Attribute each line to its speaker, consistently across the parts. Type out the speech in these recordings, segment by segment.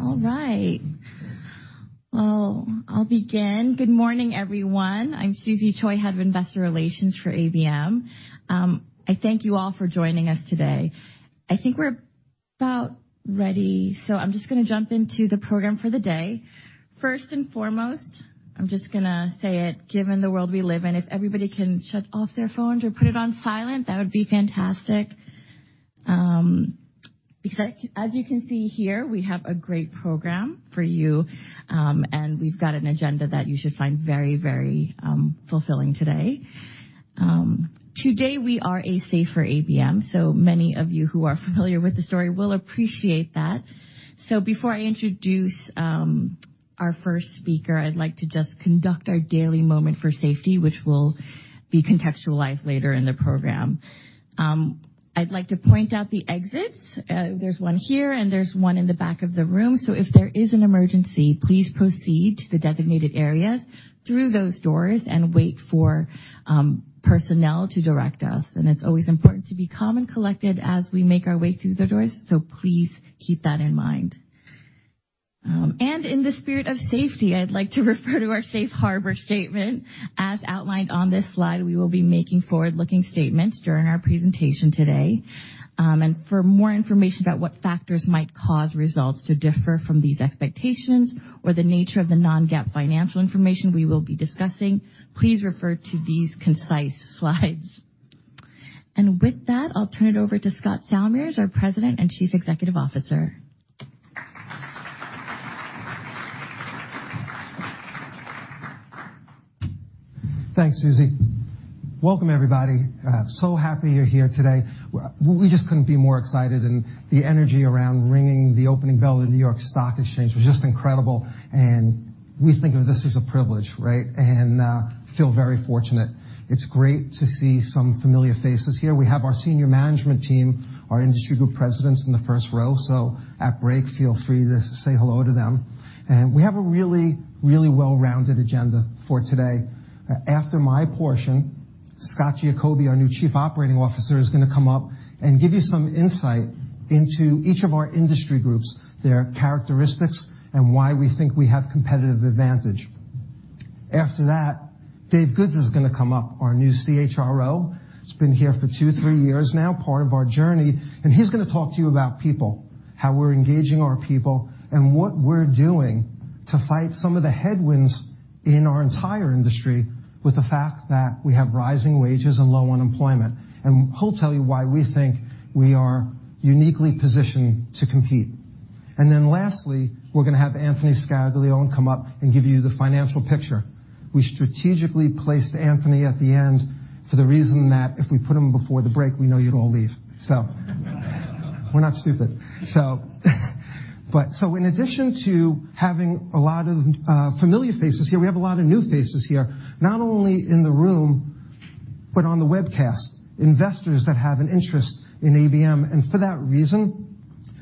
Speaker 1: All right. Well, I'll begin. Good morning, everyone. I'm Susie Choi, Head of Investor Relations for ABM. I thank you all for joining us today. I think we're about ready. I'm just going to jump into the program for the day. First and foremost, I'm just going to say it, given the world we live in, if everybody can shut off their phones or put it on silent, that would be fantastic. As you can see here, we have a great program for you. We've got an agenda that you should find very fulfilling today. Today, we are a safer ABM. Many of you who are familiar with the story will appreciate that. Before I introduce our first speaker, I'd like to just conduct our daily moment for safety, which will be contextualized later in the program. I'd like to point out the exits. There's one here and there's one in the back of the room. If there is an emergency, please proceed to the designated areas through those doors and wait for personnel to direct us. It's always important to be calm and collected as we make our way through the doors. Please keep that in mind. In the spirit of safety, I'd like to refer to our safe harbor statement as outlined on this slide. We will be making forward-looking statements during our presentation today. For more information about what factors might cause results to differ from these expectations or the nature of the non-GAAP financial information we will be discussing, please refer to these concise slides. With that, I'll turn it over to Scott Salmirs, our President and Chief Executive Officer.
Speaker 2: Thanks, Susie. Welcome, everybody. Happy you're here today. We just couldn't be more excited. The energy around ringing the opening bell of the New York Stock Exchange was just incredible. We think of this as a privilege, right? Feel very fortunate. It's great to see some familiar faces here. We have our senior management team, our industry group presidents in the first row. At break, feel free to say hello to them. We have a really well-rounded agenda for today. After my portion, Scott Giacobbe, our new Chief Operating Officer, is going to come up and give you some insight into each of our industry groups, their characteristics, and why we think we have competitive advantage. After that, Dave Goodes is going to come up, our new CHRO. He's been here for two, three years now, part of our journey. He's going to talk to you about people, how we're engaging our people, and what we're doing to fight some of the headwinds in our entire industry with the fact that we have rising wages and low unemployment. He'll tell you why we think we are uniquely positioned to compete. Lastly, we're going to have Anthony Scaglione come up and give you the financial picture. We strategically placed Anthony at the end for the reason that if we put him before the break, we know you'd all leave. We're not stupid. In addition to having a lot of familiar faces here, we have a lot of new faces here, not only in the room but on the webcast, investors that have an interest in ABM. For that reason,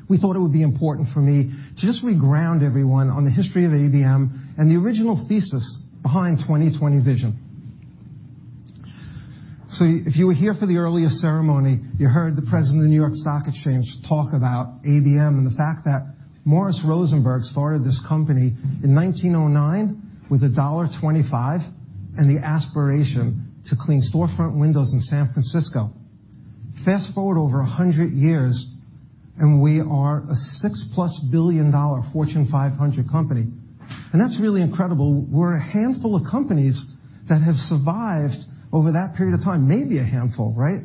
Speaker 2: we thought it would be important for me to just reground everyone on the history of ABM and the original thesis behind 2020 Vision. If you were here for the earlier ceremony, you heard the president of the New York Stock Exchange talk about ABM and the fact that Morris Rosenberg started this company in 1909 with $1.25 and the aspiration to clean storefront windows in San Francisco. Fast-forward over 100 years, we are a six-plus billion-dollar Fortune 500 company, that's really incredible. We're a handful of companies that have survived over that period of time. Maybe a handful, right?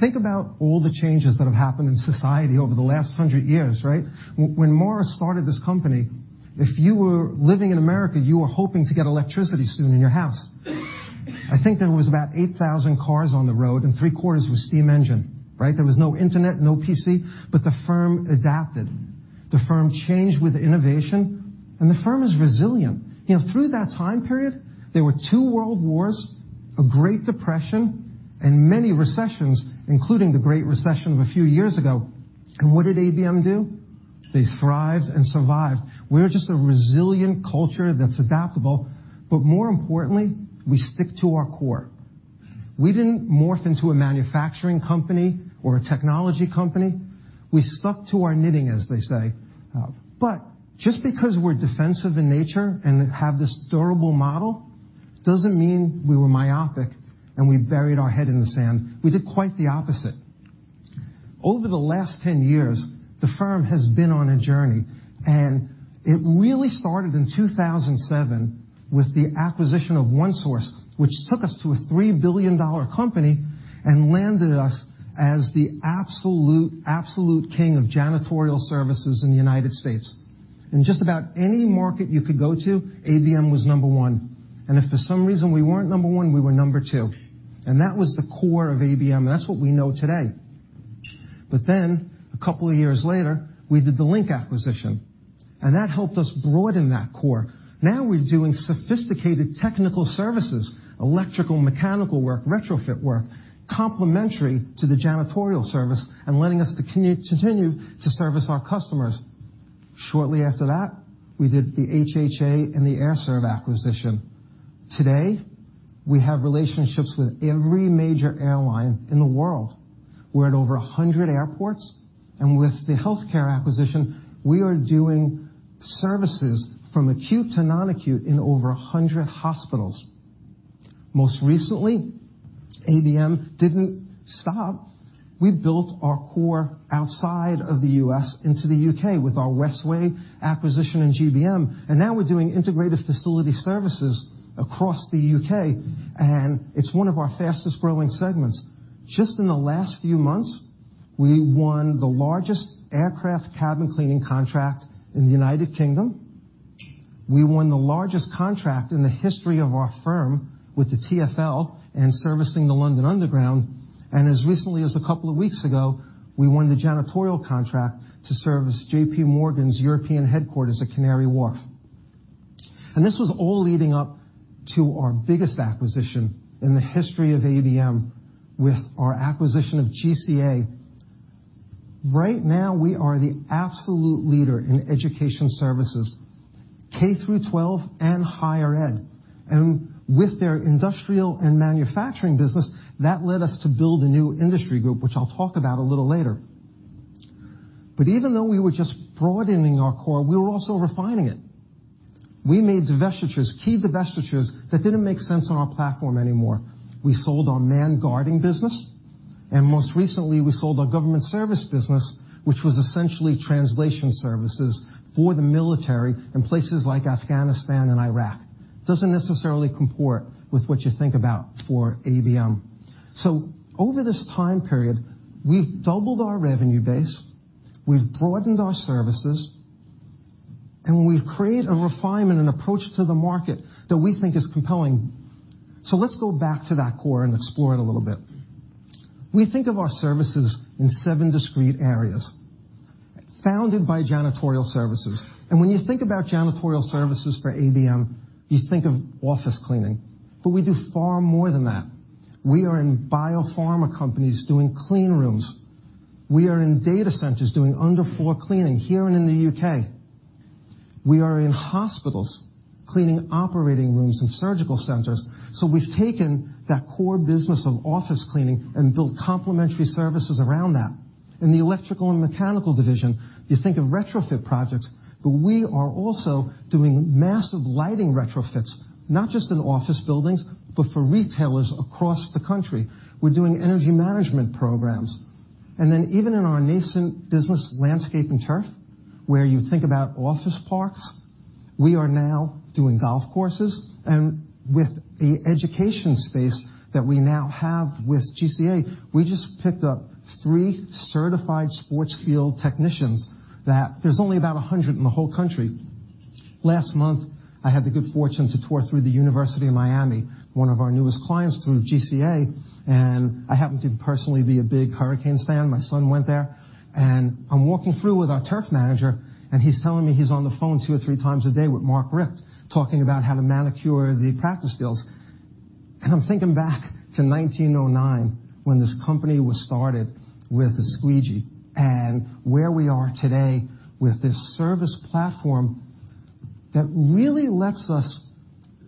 Speaker 2: Think about all the changes that have happened in society over the last 100 years, right? When Morris started this company, if you were living in America, you were hoping to get electricity soon in your house. I think there was about 8,000 cars on the road, and three-quarters were steam engine. Right? There was no internet, no PC. The firm adapted, the firm changed with innovation, and the firm is resilient. Through that time period, there were two World Wars, a Great Depression, and many recessions, including the Great Recession of a few years ago. What did ABM do? They thrived and survived. We're just a resilient culture that's adaptable. More importantly, we stick to our core. We didn't morph into a manufacturing company or a technology company. We stuck to our knitting, as they say. Just because we're defensive in nature and have this durable model doesn't mean we were myopic and we buried our head in the sand. We did quite the opposite. Over the last 10 years, the firm has been on a journey. It really started in 2007 with the acquisition of OneSource, which took us to a $3 billion company and landed us as the absolute king of janitorial services in the U.S. In just about any market you could go to, ABM was number one, and if for some reason we weren't number one, we were number two. That was the core of ABM, and that's what we know today. A couple of years later, we did the Linc acquisition, and that helped us broaden that core. Now we're doing sophisticated technical services, electrical, mechanical work, retrofit work, complementary to the janitorial service and letting us continue to service our customers. Shortly after that, we did the HHA and the Air Serv acquisition. Today, we have relationships with every major airline in the world. We're at over 100 airports, and with the healthcare acquisition, we are doing services from acute to non-acute in over 100 hospitals. Most recently, ABM didn't stop. We built our core outside of the U.S. into the U.K. with our Westway acquisition and GBM. Now we're doing integrated facility services across the U.K., and it's one of our fastest-growing segments. Just in the last few months, we won the largest aircraft cabin cleaning contract in the United Kingdom. We won the largest contract in the history of our firm with the TfL and servicing the London Underground. As recently as a couple of weeks ago, we won the janitorial contract to service JPMorgan's European headquarters at Canary Wharf. This was all leading up to our biggest acquisition in the history of ABM with our acquisition of GCA. Right now, we are the absolute leader in education services, K-12 and higher ed. With their industrial and manufacturing business, that led us to build a new industry group, which I'll talk about a little later. Even though we were just broadening our core, we were also refining it. We made divestitures, key divestitures that didn't make sense on our platform anymore. We sold our manned guarding business, and most recently, we sold our government service business, which was essentially translation services for the military in places like Afghanistan and Iraq. Doesn't necessarily comport with what you think about for ABM. Over this time period, we've doubled our revenue base, we've broadened our services, and we've created a refinement and approach to the market that we think is compelling. Let's go back to that core and explore it a little bit. We think of our services in seven discrete areas, founded by janitorial services. When you think about janitorial services for ABM, you think of office cleaning. We do far more than that. We are in biopharma companies doing clean rooms. We are in data centers doing under-floor cleaning here and in the U.K. We are in hospitals cleaning operating rooms and surgical centers. We've taken that core business of office cleaning and built complementary services around that. In the electrical and mechanical division, you think of retrofit projects, but we are also doing massive lighting retrofits, not just in office buildings, but for retailers across the country. We're doing energy management programs. Even in our nascent business, landscape and turf, where you think about office parks, we are now doing golf courses. With the education space that we now have with GCA, we just picked up three certified sports field technicians that there's only about 100 in the whole country. Last month, I had the good fortune to tour through the University of Miami, one of our newest clients through GCA, and I happen to personally be a big Hurricanes fan. My son went there. I'm walking through with our turf manager, and he's telling me he's on the phone two or three times a day with Mark Richt talking about how to manicure the practice fields. I'm thinking back to 1909 when this company was started with a squeegee and where we are today with this service platform that really lets us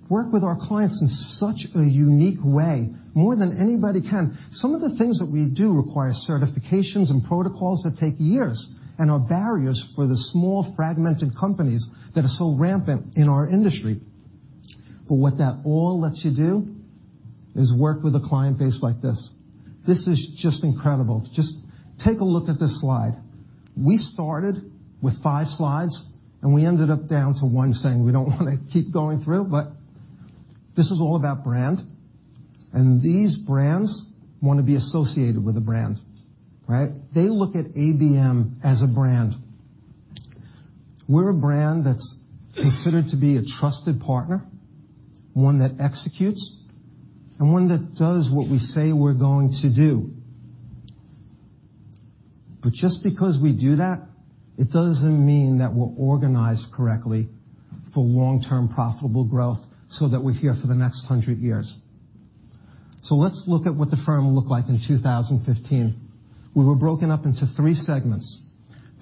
Speaker 2: work with our clients in such a unique way, more than anybody can. Some of the things that we do require certifications and protocols that take years and are barriers for the small, fragmented companies that are so rampant in our industry. What that all lets you do is work with a client base like this. This is just incredible. Just take a look at this slide. We started with five slides, we ended up down to one, saying we don't want to keep going through, this is all about brand. These brands want to be associated with a brand, right? They look at ABM as a brand. We're a brand that's considered to be a trusted partner, one that executes, and one that does what we say we're going to do. Just because we do that, it doesn't mean that we're organized correctly for long-term profitable growth so that we're here for the next 100 years. Let's look at what the firm looked like in 2015. We were broken up into three segments.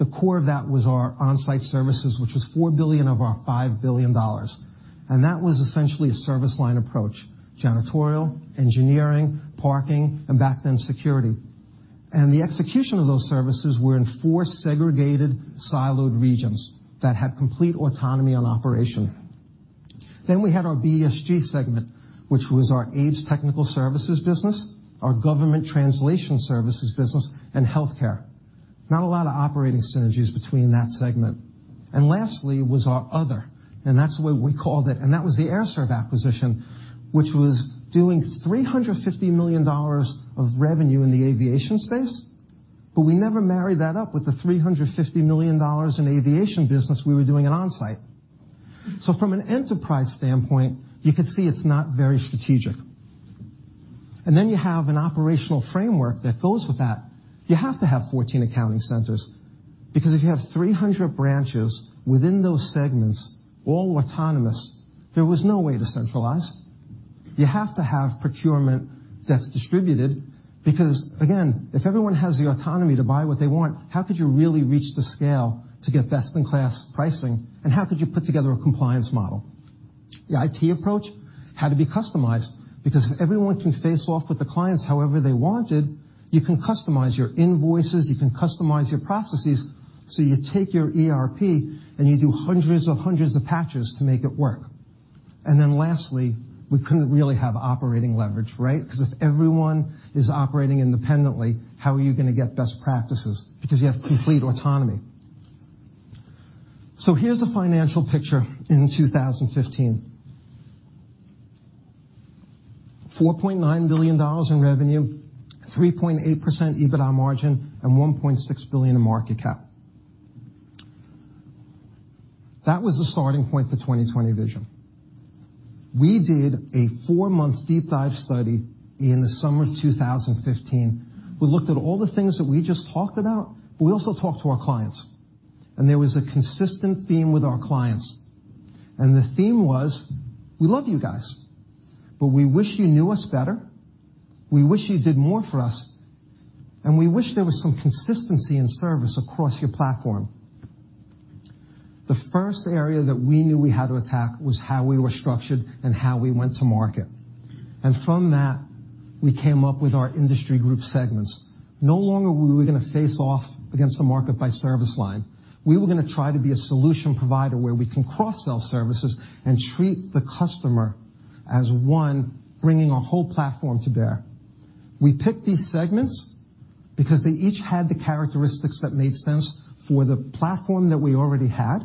Speaker 2: The core of that was our on-site services, which was $4 billion of our $5 billion. That was essentially a service line approach, janitorial, engineering, parking, and back then, security. The execution of those services were in four segregated, siloed regions that had complete autonomy on operation. We had our BSG segment, which was our ABES technical services business, our government translation services business, and healthcare. Not a lot of operating synergies between that segment. Lastly was our other, that's the way we called it, that was the Air Serv acquisition, which was doing $350 million of revenue in the aviation space, but we never married that up with the $350 million in aviation business we were doing at on-site. From an enterprise standpoint, you could see it's not very strategic. You have an operational framework that goes with that. You have to have 14 accounting centers because if you have 300 branches within those segments, all autonomous, there was no way to centralize. You have to have procurement that's distributed because, again, if everyone has the autonomy to buy what they want, how could you really reach the scale to get best-in-class pricing, and how could you put together a compliance model? The IT approach had to be customized, because if everyone can face off with the clients however they wanted, you can customize your invoices, you can customize your processes. You take your ERP and you do hundreds of patches to make it work. Lastly, we couldn't really have operating leverage, right? If everyone is operating independently, how are you going to get best practices? You have complete autonomy. Here's the financial picture in 2015. $4.9 billion in revenue, 3.8% EBITDA margin, and $1.6 billion in market cap. That was the starting point for 2020 Vision. We did a four-month deep dive study in the summer of 2015. We looked at all the things that we just talked about, we also talked to our clients. There was a consistent theme with our clients. The theme was, "We love you guys, but we wish you knew us better, we wish you did more for us, and we wish there was some consistency in service across your platform." The first area that we knew we had to attack was how we were structured and how we went to market. From that, we came up with our industry group segments. No longer were we going to face off against the market by service line. We were going to try to be a solution provider where we can cross-sell services and treat the customer as one, bringing a whole platform to bear. We picked these segments because they each had the characteristics that made sense for the platform that we already had,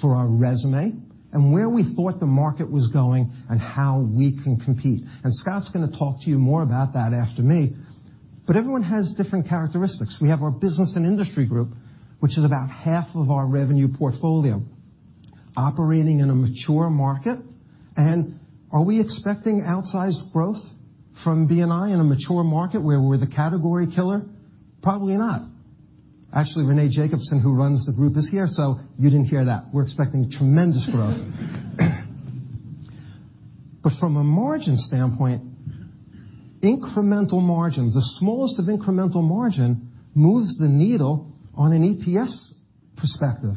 Speaker 2: for our resume, and where we thought the market was going and how we can compete. Scott's going to talk to you more about that after me. Everyone has different characteristics. We have our business and industry group, which is about half of our revenue portfolio, operating in a mature market. Are we expecting outsized growth from B&I in a mature market where we're the category killer? Probably not. Actually, Rene Jacobsen, who runs the group, is here, so you didn't hear that. We're expecting tremendous growth. From a margin standpoint, incremental margin, the smallest of incremental margin moves the needle on an EPS perspective.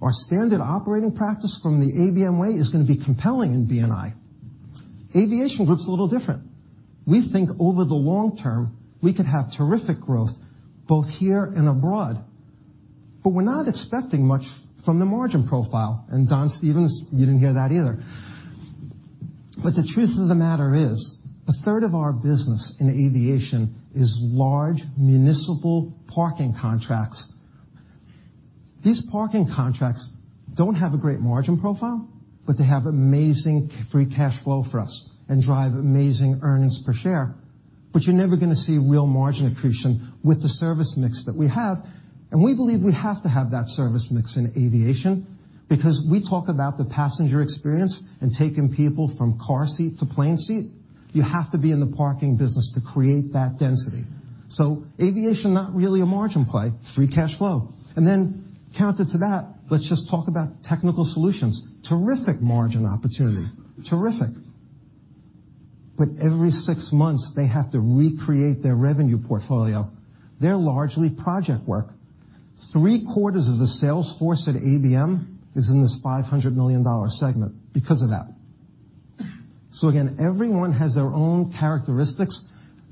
Speaker 2: Our standard operating practice from the ABM Way is going to be compelling in B&I. Aviation Group's a little different. We think over the long term, we could have terrific growth both here and abroad. We're not expecting much from the margin profile. Don Stevens, you didn't hear that either. The truth of the matter is, a third of our business in Aviation is large municipal parking contracts. These parking contracts don't have a great margin profile, but they have amazing free cash flow for us and drive amazing earnings per share. You're never going to see real margin accretion with the service mix that we have. We believe we have to have that service mix in Aviation because we talk about the passenger experience and taking people from car seat to plane seat. You have to be in the parking business to create that density. Aviation, not really a margin play, free cash flow. Counter to that, let's just talk about Technical Solutions. Terrific margin opportunity. Terrific. Every six months, they have to recreate their revenue portfolio. They're largely project work. Three-quarters of the sales force at ABM is in this $500 million segment because of that. Again, everyone has their own characteristics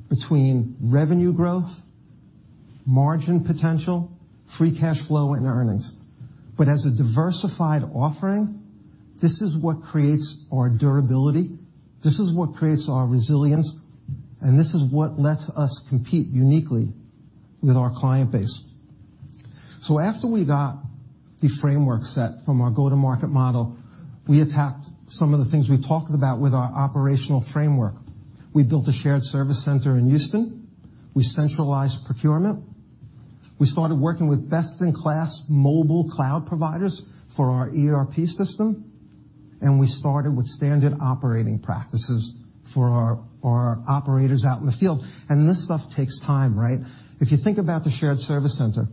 Speaker 2: between revenue growth, margin potential, free cash flow, and earnings. As a diversified offering, this is what creates our durability, this is what creates our resilience, and this is what lets us compete uniquely with our client base. After we got the framework set from our go-to-market model, we attacked some of the things we talked about with our operational framework. We built a shared service center in Houston, we centralized procurement, we started working with best-in-class mobile cloud providers for our ERP system, and we started with standard operating practices for our operators out in the field. This stuff takes time, right? If you think about the shared service center,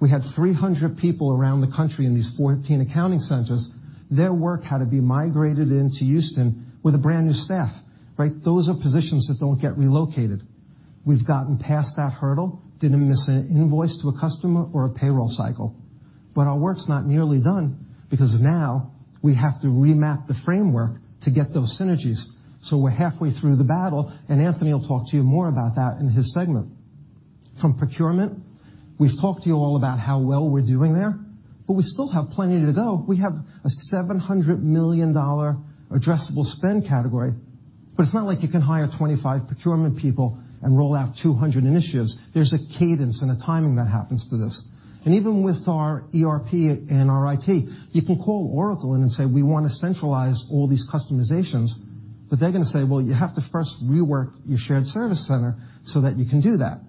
Speaker 2: we had 300 people around the country in these 14 accounting centers. Their work had to be migrated into Houston with a brand-new staff, right? Those are positions that don't get relocated. We've gotten past that hurdle. Didn't miss an invoice to a customer or a payroll cycle. Our work's not nearly done because now we have to remap the framework to get those synergies. We're halfway through the battle, and Anthony will talk to you more about that in his segment. From procurement, we've talked to you all about how well we're doing there, but we still have plenty to go. We have a $700 million addressable spend category, but it's not like you can hire 25 procurement people and roll out 200 initiatives. There's a cadence and a timing that happens to this. Even with our ERP and our IT, you can call Oracle in and say, "We want to centralize all these customizations," but they're going to say, "Well, you have to first rework your shared service center so that you can do that."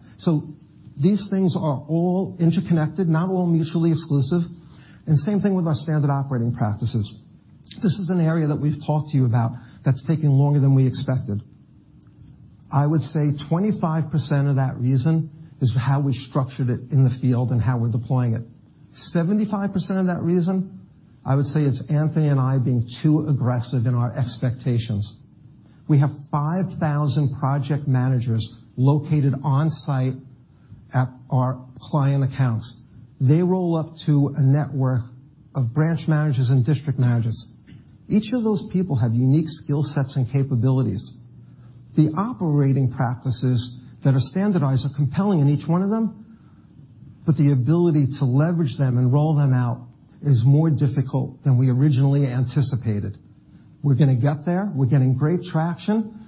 Speaker 2: These things are all interconnected, not all mutually exclusive. Same thing with our standard operating practices. This is an area that we've talked to you about that's taking longer than we expected. I would say 25% of that reason is how we structured it in the field and how we're deploying it. 75% of that reason, I would say it's Anthony and I being too aggressive in our expectations. We have 5,000 project managers located on-site at our client accounts. They roll up to a network of branch managers and district managers. Each of those people have unique skill sets and capabilities. The operating practices that are standardized are compelling in each one of them, but the ability to leverage them and roll them out is more difficult than we originally anticipated. We're going to get there. We're getting great traction.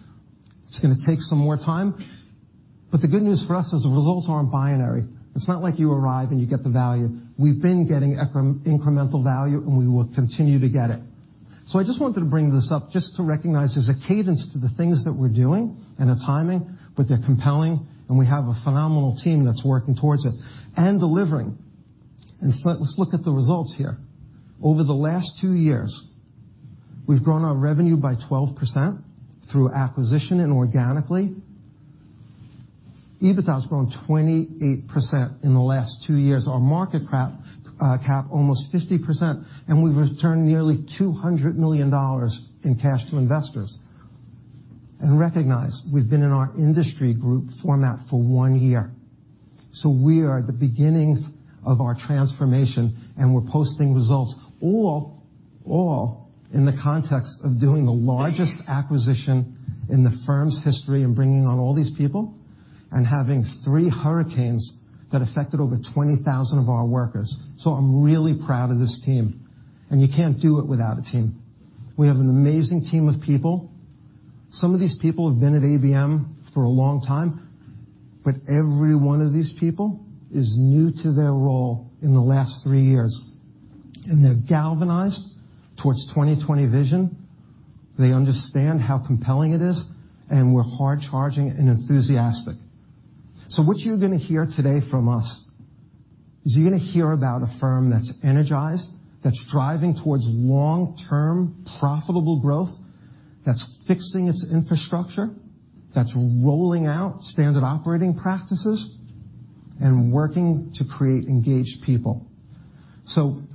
Speaker 2: It's going to take some more time. The good news for us is the results aren't binary. It's not like you arrive and you get the value. We've been getting incremental value, and we will continue to get it. I just wanted to bring this up just to recognize there's a cadence to the things that we're doing and a timing, but they're compelling, and we have a phenomenal team that's working towards it and delivering. Let's look at the results here. Over the last two years, we've grown our revenue by 12% through acquisition and organically. EBITDA has grown 28% in the last two years. Our market cap, almost 50%, and we've returned nearly $200 million in cash to investors. Recognize, we've been in our industry group format for one year. We are at the beginnings of our transformation, and we're posting results all in the context of doing the largest acquisition in the firm's history and bringing on all these people, and having three hurricanes that affected over 20,000 of our workers. I'm really proud of this team, and you can't do it without a team. We have an amazing team of people. Some of these people have been at ABM for a long time, but every one of these people is new to their role in the last three years. They've galvanized towards 2020 Vision. They understand how compelling it is, and we're hard-charging and enthusiastic. What you're going to hear today from us is you're going to hear about a firm that's energized, that's driving towards long-term profitable growth, that's fixing its infrastructure, that's rolling out standard operating practices and working to create engaged people.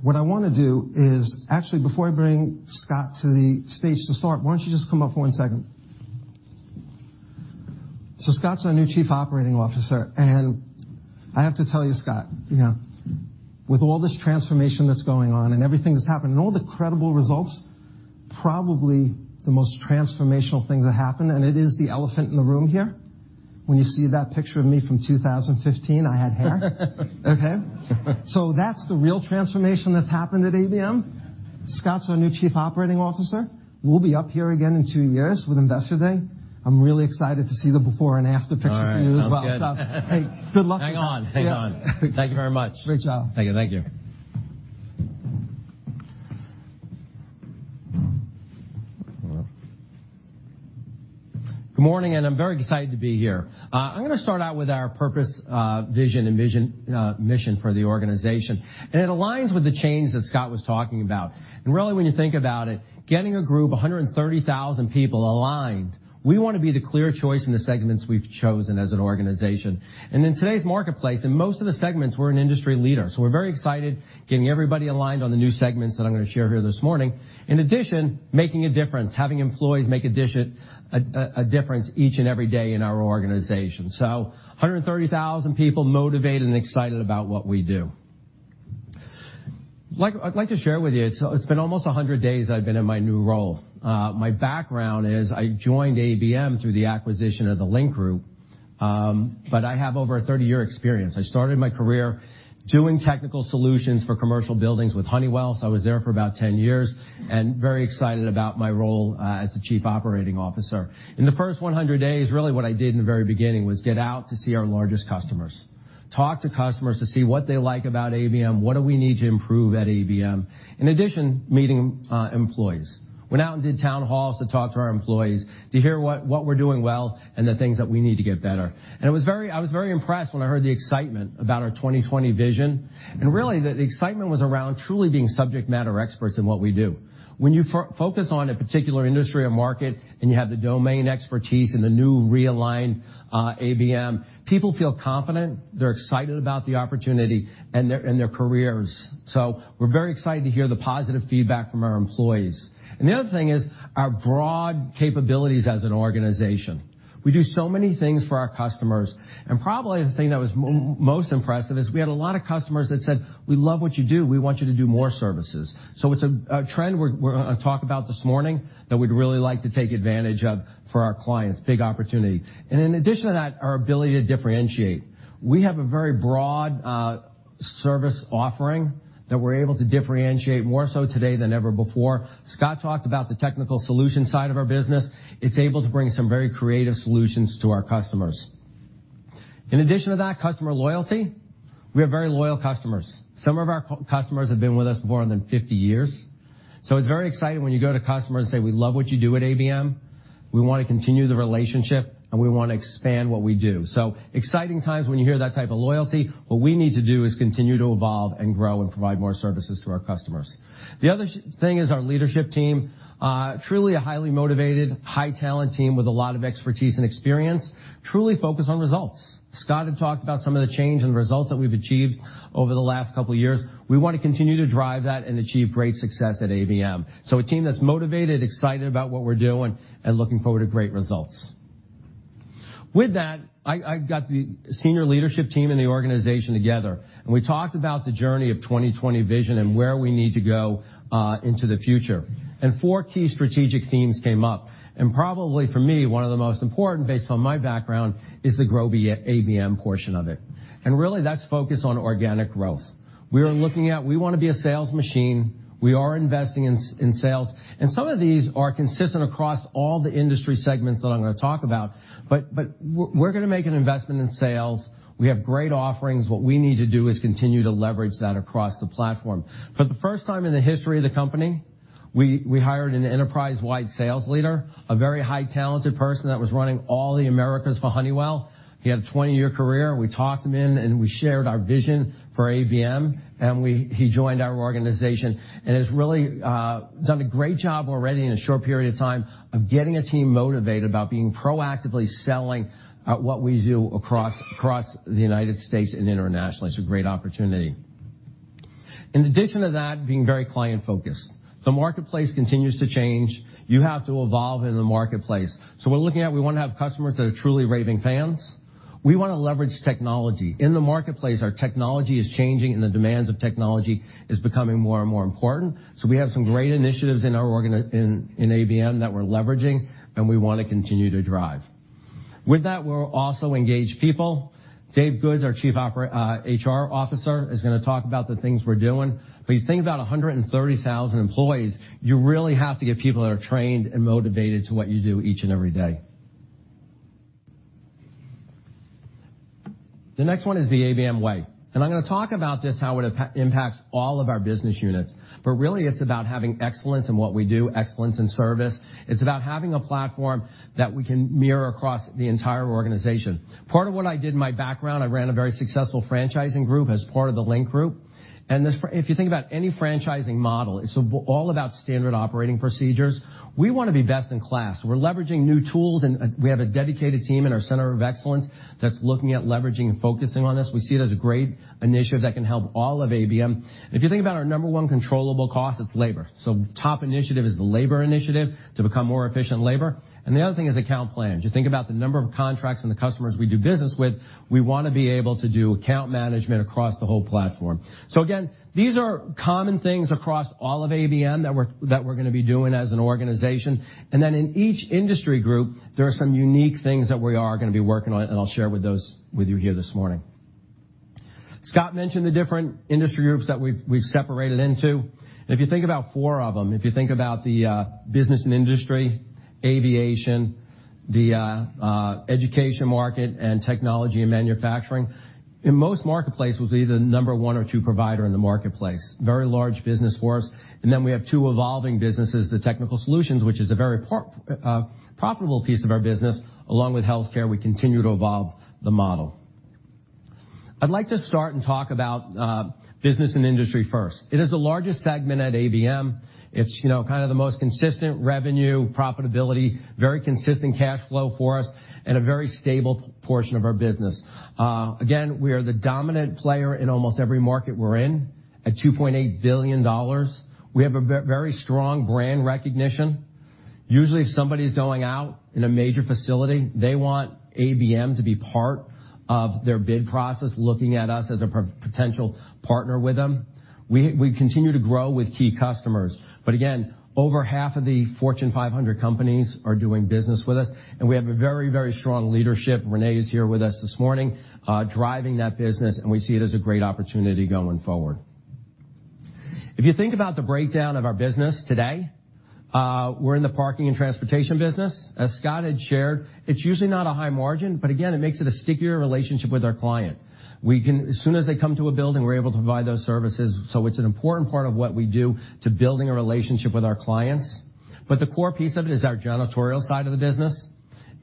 Speaker 2: What I want to do is, actually, before I bring Scott to the stage to start, why don't you just come up for one second? Scott's our new Chief Operating Officer, and I have to tell you, Scott.
Speaker 3: Yeah
Speaker 2: With all this transformation that's going on and everything that's happened and all the credible results, probably the most transformational thing that happened, and it is the elephant in the room here. When you see that picture of me from 2015, I had hair. Okay? That's the real transformation that's happened at ABM. Scott's our new Chief Operating Officer. We'll be up here again in two years with Investor Day. I'm really excited to see the before and after picture for you as well.
Speaker 3: All right. Sounds good.
Speaker 2: Hey, good luck.
Speaker 3: Hang on. Thank you very much.
Speaker 2: Great job.
Speaker 3: Thank you. Good morning. I'm very excited to be here. I'm going to start out with our purpose, vision, and mission for the organization. It aligns with the change that Scott was talking about. Really, when you think about it, getting a group of 130,000 people aligned, we want to be the clear choice in the segments we've chosen as an organization. In today's marketplace, in most of the segments, we're an industry leader. We're very excited getting everybody aligned on the new segments that I'm going to share here this morning. In addition, making a difference, having employees make a difference each and every day in our organization. 130,000 people motivated and excited about what we do. I'd like to share with you, it's been almost 100 days I've been in my new role. My background is I joined ABM through the acquisition of The Linc Group. I have over 30 years experience. I started my career doing technical solutions for commercial buildings with Honeywell. I was there for about 10 years and very excited about my role as the Chief Operating Officer. In the first 100 days, really what I did in the very beginning was get out to see our largest customers, talk to customers to see what they like about ABM, what do we need to improve at ABM. In addition, meeting employees. Went out and did town halls to talk to our employees to hear what we're doing well and the things that we need to get better. I was very impressed when I heard the excitement about our 2020 Vision. Really, the excitement was around truly being subject matter experts in what we do. When you focus on a particular industry or market and you have the domain expertise in the new realigned ABM, people feel confident, they're excited about the opportunity and their careers. We're very excited to hear the positive feedback from our employees. The other thing is our broad capabilities as an organization. We do so many things for our customers. Probably the thing that was most impressive is we had a lot of customers that said, "We love what you do. We want you to do more services." It's a trend we're going to talk about this morning that we'd really like to take advantage of for our clients. Big opportunity. In addition to that, our ability to differentiate. We have a very broad service offering that we're able to differentiate more so today than ever before. Scott talked about the technical solutions side of our business. It's able to bring some very creative solutions to our customers. In addition to that, customer loyalty. We have very loyal customers. Some of our customers have been with us more than 50 years. It's very exciting when you go to a customer and say, "We love what you do at ABM. We want to continue the relationship, and we want to expand what we do." Exciting times when you hear that type of loyalty. What we need to do is continue to evolve and grow and provide more services to our customers. The other thing is our leadership team, truly a highly motivated, high-talent team with a lot of expertise and experience, truly focused on results. Scott had talked about some of the change and the results that we've achieved over the last couple of years. We want to continue to drive that and achieve great success at ABM. A team that's motivated, excited about what we're doing, and looking forward to great results. With that, I got the senior leadership team and the organization together, and we talked about the journey of 2020 Vision and where we need to go into the future. Four key strategic themes came up. Probably for me, one of the most important, based on my background, is the Grow ABM portion of it. Really, that's focused on organic growth. We want to be a sales machine. We are investing in sales. Some of these are consistent across all the industry segments that I'm going to talk about, but we're going to make an investment in sales. We have great offerings. What we need to do is continue to leverage that across the platform. For the first time in the history of the company, we hired an enterprise-wide sales leader, a very high talented person that was running all the Americas for Honeywell. He had a 20-year career. We talked him in, and we shared our vision for ABM, and he joined our organization and has really done a great job already in a short period of time of getting a team motivated about being proactively selling what we do across the U.S. and internationally. It's a great opportunity. In addition to that, being very client-focused. The marketplace continues to change. You have to evolve in the marketplace. We want to have customers that are truly raving fans. We want to leverage technology. In the marketplace, our technology is changing, and the demands of technology is becoming more and more important. We have some great initiatives in ABM that we're leveraging and we want to continue to drive. With that, we'll also engage people. Dave Goodes, our Chief HR Officer, is going to talk about the things we're doing. You think about 130,000 employees, you really have to get people that are trained and motivated to what you do each and every day. The next one is The ABM Way, I'm going to talk about this, how it impacts all of our business units. Really, it's about having excellence in what we do, excellence in service. It's about having a platform that we can mirror across the entire organization. Part of what I did in my background, I ran a very successful franchising group as part of The Linc Group. If you think about any franchising model, it's all about standard operating procedures. We want to be best in class. We're leveraging new tools, we have a dedicated team in our center of excellence that's looking at leveraging and focusing on this. We see it as a great initiative that can help all of ABM. If you think about our number one controllable cost, it's labor. Top initiative is the labor initiative to become more efficient labor. The other thing is account plans. You think about the number of contracts and the customers we do business with, we want to be able to do account management across the whole platform. Again, these are common things across all of ABM that we're going to be doing as an organization. In each industry group, there are some unique things that we are going to be working on, and I'll share with you here this morning. Scott Salmirs mentioned the different industry groups that we've separated into. If you think about four of them, if you think about the business and industry, aviation, the education market, and technology and manufacturing. In most marketplaces, we're either number 1 or 2 provider in the marketplace. Very large business for us. We have two evolving businesses, the technical solutions, which is a very profitable piece of our business, along with healthcare. We continue to evolve the model. I'd like to start and talk about business and industry first. It is the largest segment at ABM. It's kind of the most consistent revenue, profitability, very consistent cash flow for us, and a very stable portion of our business. Again, we are the dominant player in almost every market we're in at $2.8 billion. We have a very strong brand recognition. Usually, if somebody's going out in a major facility, they want ABM to be part of their bid process, looking at us as a potential partner with them. We continue to grow with key customers. Over half of the Fortune 500 companies are doing business with us. We have a very, very strong leadership. Rene Jacobsen is here with us this morning, driving that business, and we see it as a great opportunity going forward. If you think about the breakdown of our business today, we're in the parking and transportation business. As Scott Salmirs had shared, it's usually not a high margin, but again, it makes it a stickier relationship with our client. As soon as they come to a building, we're able to provide those services. It's an important part of what we do to building a relationship with our clients. The core piece of it is our janitorial side of the business.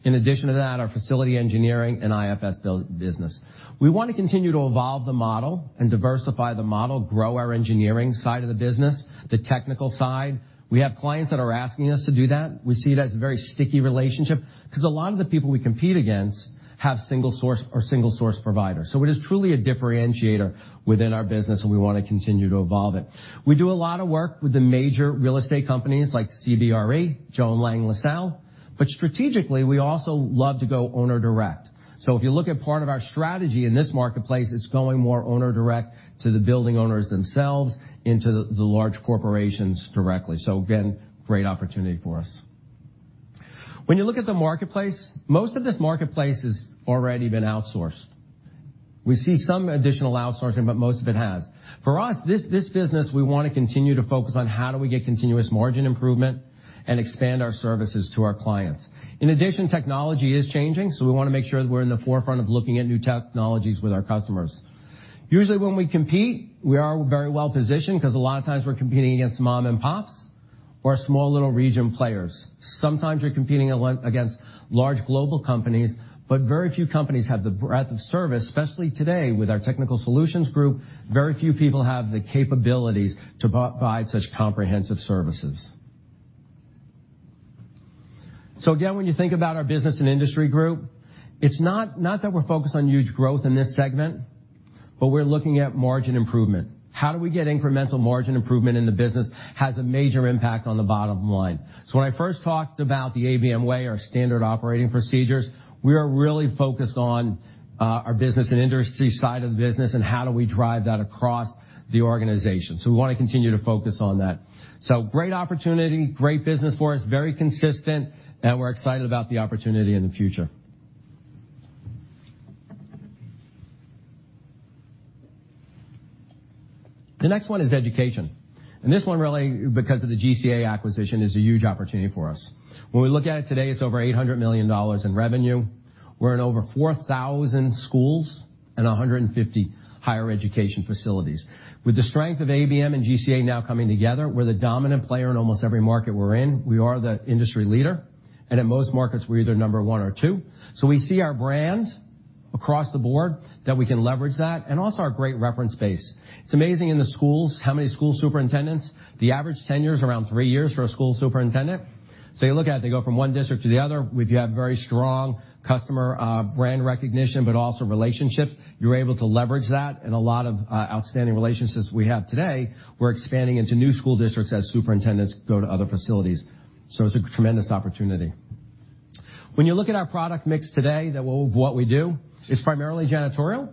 Speaker 3: In addition to that, our facility engineering and IFS business. We want to continue to evolve the model and diversify the model, grow our engineering side of the business, the technical side. We have clients that are asking us to do that. We see it as a very sticky relationship because a lot of the people we compete against have single source providers. It is truly a differentiator within our business, and we want to continue to evolve it. We do a lot of work with the major real estate companies like CBRE, Jones Lang LaSalle. Strategically, we also love to go owner direct. If you look at part of our strategy in this marketplace, it's going more owner direct to the building owners themselves into the large corporations directly. Again, great opportunity for us. When you look at the marketplace, most of this marketplace has already been outsourced. We see some additional outsourcing. Most of it has. For us, this business, we want to continue to focus on how do we get continuous margin improvement. Expand our services to our clients. In addition, technology is changing. We want to make sure that we're in the forefront of looking at new technologies with our customers. Usually, when we compete, we are very well positioned because a lot of times we're competing against mom and pops or small little region players. Sometimes you're competing against large global companies, but very few companies have the breadth of service, especially today with our technical solutions group, very few people have the capabilities to provide such comprehensive services. Again, when you think about our business and industry group, it's not that we're focused on huge growth in this segment, but we're looking at margin improvement. How do we get incremental margin improvement in the business has a major impact on the bottom line. When I first talked about the ABM Way, our standard operating procedures, we are really focused on our business and industry side of the business, and how do we drive that across the organization. We want to continue to focus on that. Great opportunity, great business for us, very consistent, and we're excited about the opportunity in the future. The next one is education, and this one really, because of the GCA acquisition, is a huge opportunity for us. When we look at it today, it's over $800 million in revenue. We're in over 4,000 schools and 150 higher education facilities. With the strength of ABM and GCA now coming together, we're the dominant player in almost every market we're in. We are the industry leader, and in most markets, we're either number one or two. We see our brand across the board that we can leverage that, and also our great reference base. It's amazing in the schools how many school superintendents, the average tenure is around three years for a school superintendent. You look at it, they go from one district to the other. If you have very strong customer brand recognition, but also relationships, you're able to leverage that, and a lot of outstanding relationships we have today, we're expanding into new school districts as superintendents go to other facilities. It's a tremendous opportunity. When you look at our product mix today of what we do, it's primarily janitorial,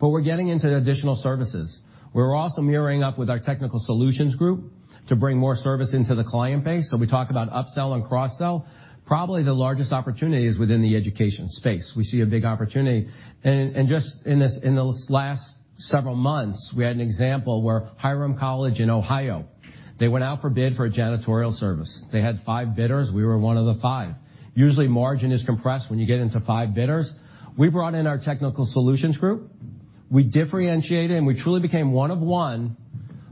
Speaker 3: but we're getting into additional services. We're also mirroring up with our technical solutions group to bring more service into the client base. We talk about upsell and cross-sell. Probably the largest opportunity is within the education space. We see a big opportunity. And just in the last several months, we had an example where Hiram College in Ohio, they went out for bid for a janitorial service. They had five bidders. We were one of the five. Usually, margin is compressed when you get into five bidders. We brought in our technical solutions group. We differentiated, and we truly became one of one.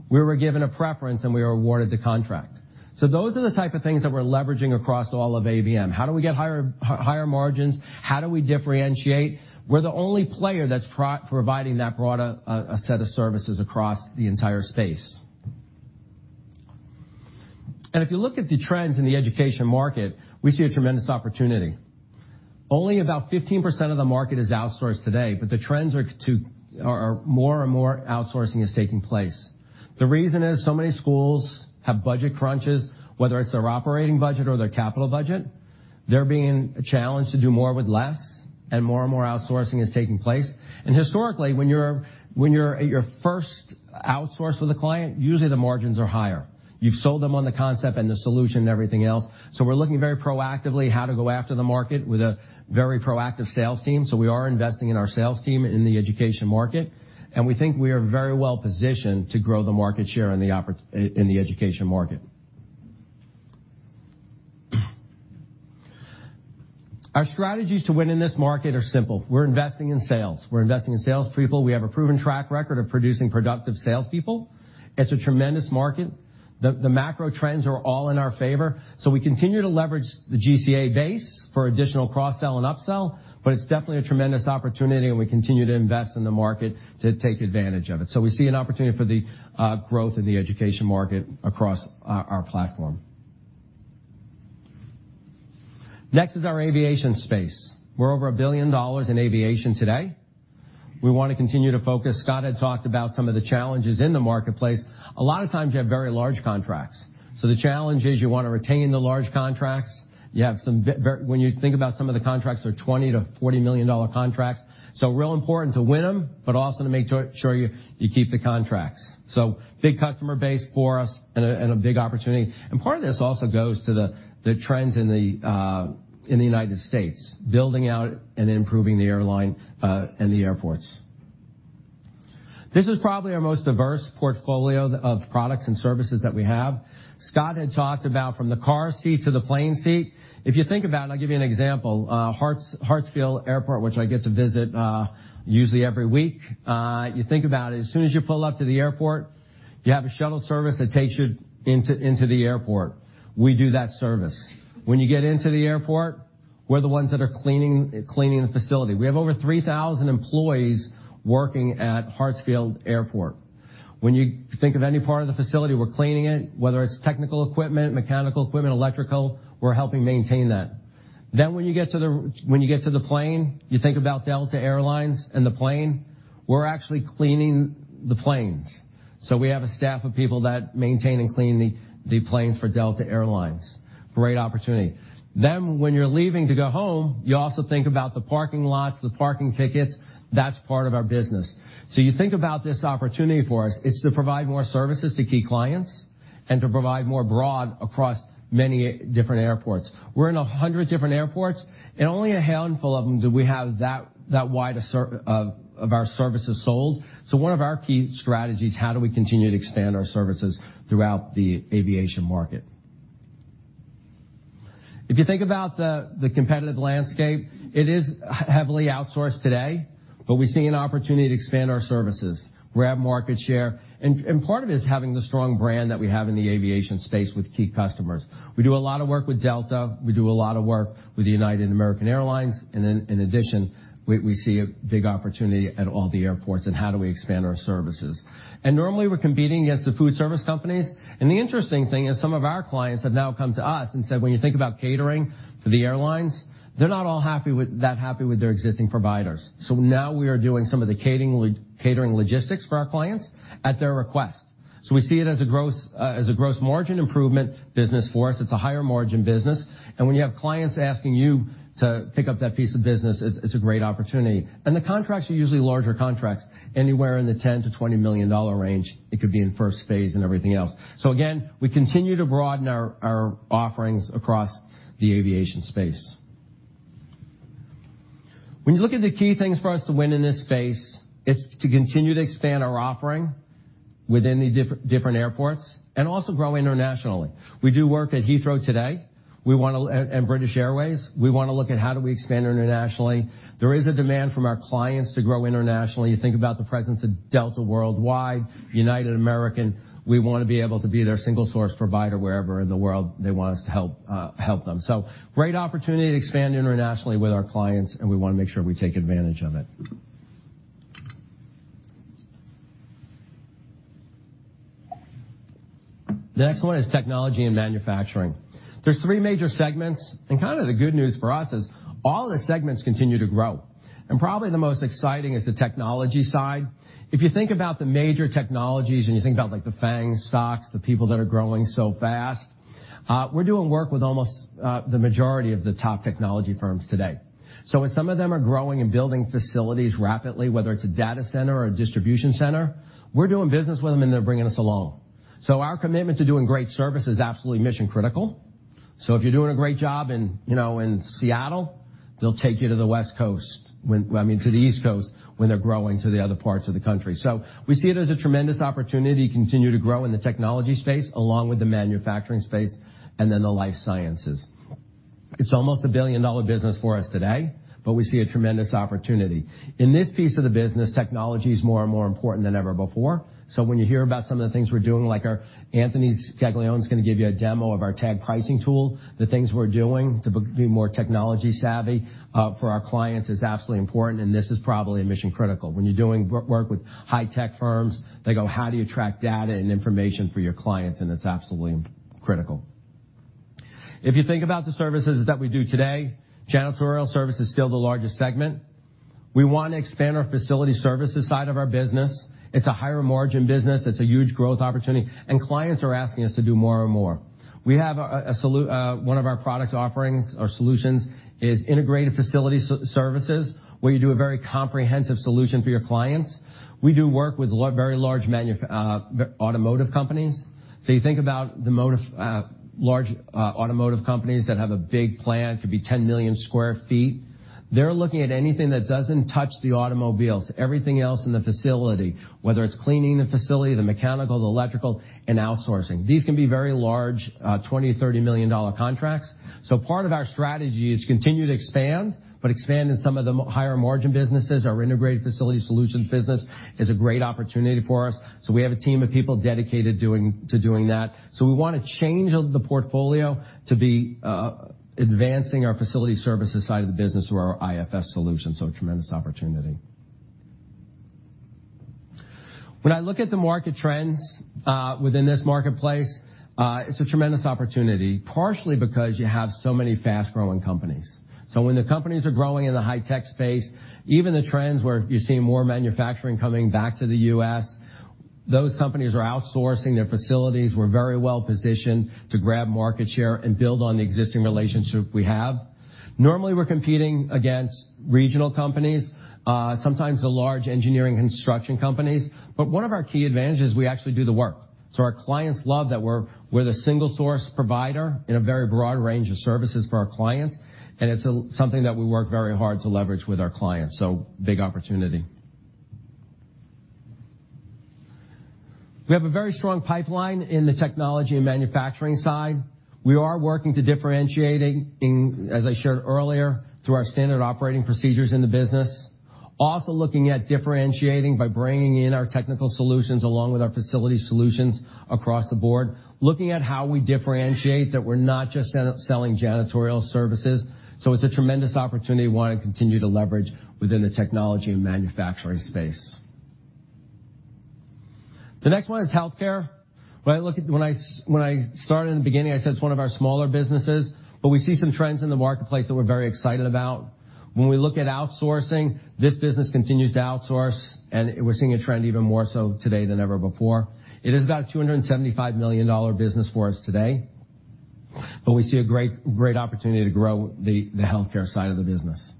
Speaker 3: We were given a preference, and we were awarded the contract. Those are the type of things that we're leveraging across all of ABM. How do we get higher margins? How do we differentiate? We're the only player that's providing that broad a set of services across the entire space. If you look at the trends in the education market, we see a tremendous opportunity. Only about 15% of the market is outsourced today, but the trends are more and more outsourcing is taking place. The reason is so many schools have budget crunches, whether it's their operating budget or their capital budget. They're being challenged to do more with less, and more and more outsourcing is taking place. Historically, when you're at your first outsource with a client, usually the margins are higher. You've sold them on the concept and the solution and everything else. We're looking very proactively how to go after the market with a very proactive sales team. We are investing in our sales team in the education market, and we think we are very well positioned to grow the market share in the education market. Our strategies to win in this market are simple. We're investing in sales. We're investing in salespeople. We have a proven track record of producing productive salespeople. It's a tremendous market. The macro trends are all in our favor. We continue to leverage the GCA base for additional cross-sell and upsell, but it's definitely a tremendous opportunity, and we continue to invest in the market to take advantage of it. We see an opportunity for the growth in the education market across our platform. Next is our aviation space. We're over $1 billion in aviation today. We want to continue to focus. Scott had talked about some of the challenges in the marketplace. A lot of times, you have very large contracts. The challenge is you want to retain the large contracts. When you think about some of the contracts are $20 million-$40 million contracts. Real important to win them, but also to make sure you keep the contracts. Big customer base for us and a big opportunity. Part of this also goes to the trends in the U.S., building out and improving the airline and the airports. This is probably our most diverse portfolio of products and services that we have. Scott had talked about from the car seat to the plane seat. If you think about it, I'll give you an example. Hartsfield Airport, which I get to visit usually every week. You think about it, as soon as you pull up to the airport, you have a shuttle service that takes you into the airport. We do that service. When you get into the airport, we're the ones that are cleaning the facility. We have over 3,000 employees working at Hartsfield Airport. When you think of any part of the facility, we're cleaning it, whether it's technical equipment, mechanical equipment, electrical, we're helping maintain that. When you get to the plane, you think about Delta Air Lines and the plane. We're actually cleaning the planes. We have a staff of people that maintain and clean the planes for Delta Air Lines. Great opportunity. When you're leaving to go home, you also think about the parking lots, the parking tickets. That's part of our business. You think about this opportunity for us, it's to provide more services to key clients and to provide more broad across many different airports. We're in 100 different airports, and only a handful of them do we have that wide of our services sold. One of our key strategies, how do we continue to expand our services throughout the aviation market? If you think about the competitive landscape, it is heavily outsourced today, but we see an opportunity to expand our services, grab market share, and part of it is having the strong brand that we have in the aviation space with key customers. We do a lot of work with Delta. We do a lot of work with United and American Airlines. In addition, we see a big opportunity at all the airports and how do we expand our services. Normally, we're competing against the food service companies, and the interesting thing is some of our clients have now come to us and said, when you think about catering for the airlines, they're not all that happy with their existing providers. Now we are doing some of the catering logistics for our clients at their request. We see it as a gross margin improvement business for us. It's a higher margin business, and when you have clients asking you to pick up that piece of business, it's a great opportunity. The contracts are usually larger contracts, anywhere in the $10 million-$20 million range. It could be in first phase and everything else. Again, we continue to broaden our offerings across the aviation space. When you look at the key things for us to win in this space, it's to continue to expand our offering within the different airports and also grow internationally. We do work at Heathrow today and British Airways. We want to look at how do we expand internationally. There is a demand from our clients to grow internationally. You think about the presence of Delta worldwide, United, American, we want to be able to be their single-source provider wherever in the world they want us to help them. Great opportunity to expand internationally with our clients, and we want to make sure we take advantage of it. The next one is technology and manufacturing. There's three major segments, and kind of the good news for us is all the segments continue to grow. Probably the most exciting is the technology side. If you think about the major technologies and you think about the FANG stocks, the people that are growing so fast, we're doing work with almost the majority of the top technology firms today. As some of them are growing and building facilities rapidly, whether it's a data center or a distribution center, we're doing business with them, and they're bringing us along. Our commitment to doing great service is absolutely mission-critical. If you're doing a great job in Seattle, they'll take you to the East Coast when they're growing to the other parts of the country. We see it as a tremendous opportunity to continue to grow in the technology space, along with the manufacturing space and then the life sciences. It's almost a billion-dollar business for us today, but we see a tremendous opportunity. In this piece of the business, technology is more and more important than ever before. When you hear about some of the things we're doing, like Anthony Scaglione is going to give you a demo of our tag pricing tool. The things we're doing to be more technology-savvy for our clients is absolutely important, and this is probably mission-critical. When you're doing work with high-tech firms, they go, "How do you track data and information for your clients?" It's absolutely critical. If you think about the services that we do today, janitorial service is still the largest segment. We want to expand our facility services side of our business. It's a higher margin business. It's a huge growth opportunity, and clients are asking us to do more and more. One of our product offerings or solutions is integrated facility services, where you do a very comprehensive solution for your clients. We do work with very large automotive companies. You think about the large automotive companies that have a big plant, could be 10 million square feet. They're looking at anything that doesn't touch the automobiles, everything else in the facility, whether it's cleaning the facility, the mechanical, the electrical, and outsourcing. These can be very large $20 million-$30 million contracts. Part of our strategy is to continue to expand but expand in some of the higher margin businesses. Our integrated facility solutions business is a great opportunity for us. We have a team of people dedicated to doing that. We want to change the portfolio to be advancing our facility services side of the business or our IFS solution. A tremendous opportunity. When I look at the market trends within this marketplace, it's a tremendous opportunity, partially because you have so many fast-growing companies. When the companies are growing in the high-tech space, even the trends where you're seeing more manufacturing coming back to the U.S., those companies are outsourcing their facilities. We're very well-positioned to grab market share and build on the existing relationship we have. Normally, we're competing against regional companies, sometimes the large engineering construction companies. But one of our key advantages is we actually do the work. Our clients love that we're the single source provider in a very broad range of services for our clients, and it's something that we work very hard to leverage with our clients. Big opportunity. We have a very strong pipeline in the technology and manufacturing side. We are working to differentiating, as I shared earlier, through our standard operating procedures in the business. Also looking at differentiating by bringing in our technical solutions along with our facility solutions across the board, looking at how we differentiate that we're not just selling janitorial services. It's a tremendous opportunity we want to continue to leverage within the technology and manufacturing space. The next one is healthcare. When I started in the beginning, I said it's one of our smaller businesses, but we see some trends in the marketplace that we're very excited about. When we look at outsourcing, this business continues to outsource, and we're seeing a trend even more so today than ever before. It is about a $275 million business for us today, but we see a great opportunity to grow the healthcare side of the business.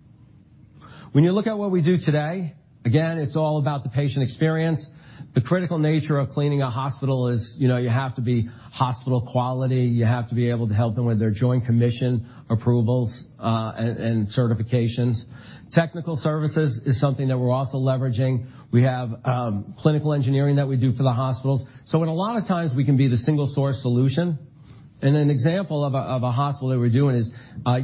Speaker 3: When you look at what we do today, again, it's all about the patient experience. The critical nature of cleaning a hospital is you have to be hospital quality. You have to be able to help them with their Joint Commission approvals and certifications. Technical services is something that we're also leveraging. We have clinical engineering that we do for the hospitals. In a lot of times, we can be the single source solution. An example of a hospital that we're doing is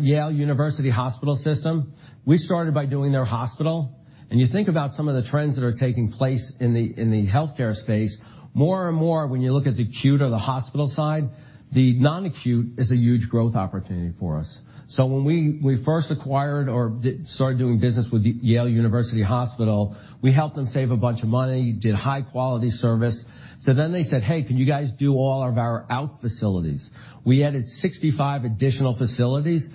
Speaker 3: Yale University Hospital system. We started by doing their hospital, and you think about some of the trends that are taking place in the healthcare space, more and more, when you look at the acute or the hospital side, the non-acute is a huge growth opportunity for us. When we first acquired or started doing business with Yale University Hospital, we helped them save a bunch of money, did high-quality service. They said, "Hey, can you guys do all of our out facilities?" We added 65 additional facilities.